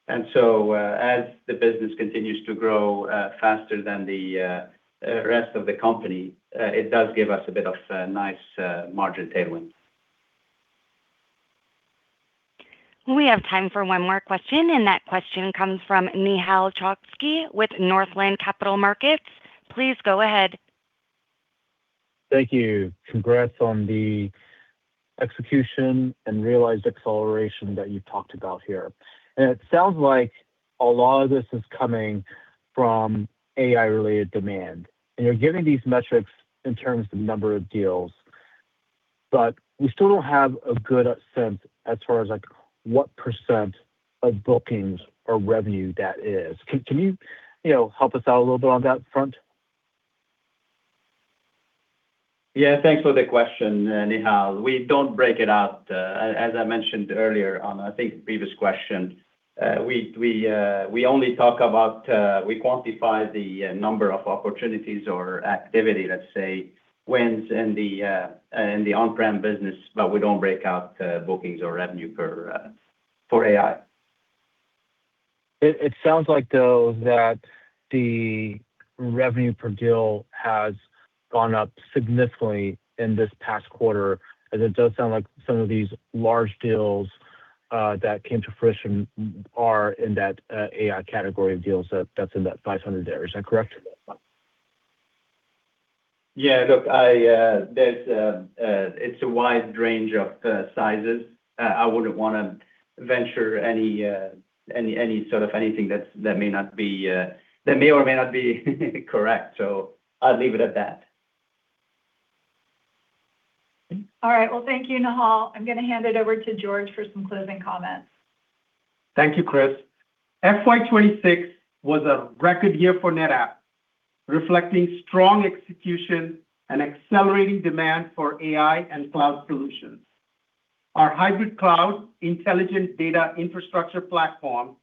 As the business continues to grow faster than the rest of the company, it does give us a bit of a nice margin tailwind. We have time for one more question, and that question comes from Nehal Chokshi with Northland Capital Markets. Please go ahead. Thank you. Congrats on the execution and realized acceleration that you've talked about here. It sounds like a lot of this is coming from AI-related demand. We still don't have a good sense as far as what percent of bookings or revenue that is. Can you help us out a little bit on that front? Yeah, thanks for the question, Nehal. We don't break it out. As I mentioned earlier on, I think previous question, we quantify the number of opportunities or activity, let's say, wins in the on-prem business, but we don't break out bookings or revenue for AI. It sounds like, though, that the revenue per deal has gone up significantly in this past quarter, as it does sound like some of these large deals that came to fruition are in that AI category of deals, that's in that $500 there. Is that correct? Yeah, look, it's a wide range of sizes. I wouldn't want to venture any sort of anything that may or may not be correct. I'll leave it at that. All right. Thank you, Nehal. I'm going to hand it over to George for some closing comments. Thank you, Kris. FY 2026 was a record year for NetApp, reflecting strong execution and accelerating demand for AI and cloud solutions. Our hybrid cloud intelligent data infrastructure platform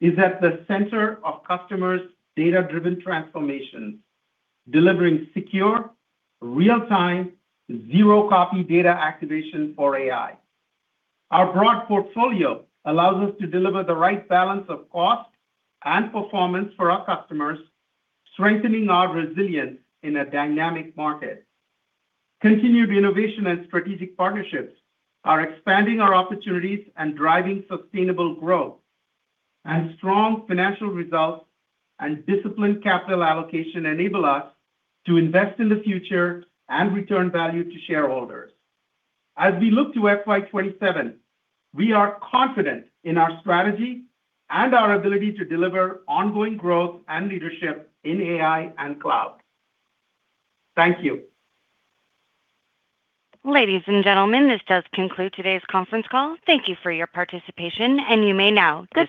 is at the center of customers' data-driven transformations, delivering secure, real-time, zero copy data activation for AI. Our broad portfolio allows us to deliver the right balance of cost and performance for our customers, strengthening our resilience in a dynamic market. Continued innovation and strategic partnerships are expanding our opportunities and driving sustainable growth. Strong financial results and disciplined capital allocation enable us to invest in the future and return value to shareholders. As we look to FY 2027, we are confident in our strategy and our ability to deliver ongoing growth and leadership in AI and cloud. Thank you. Ladies and gentlemen, this does conclude today's conference call. Thank you for your participation, and you may now disconnect.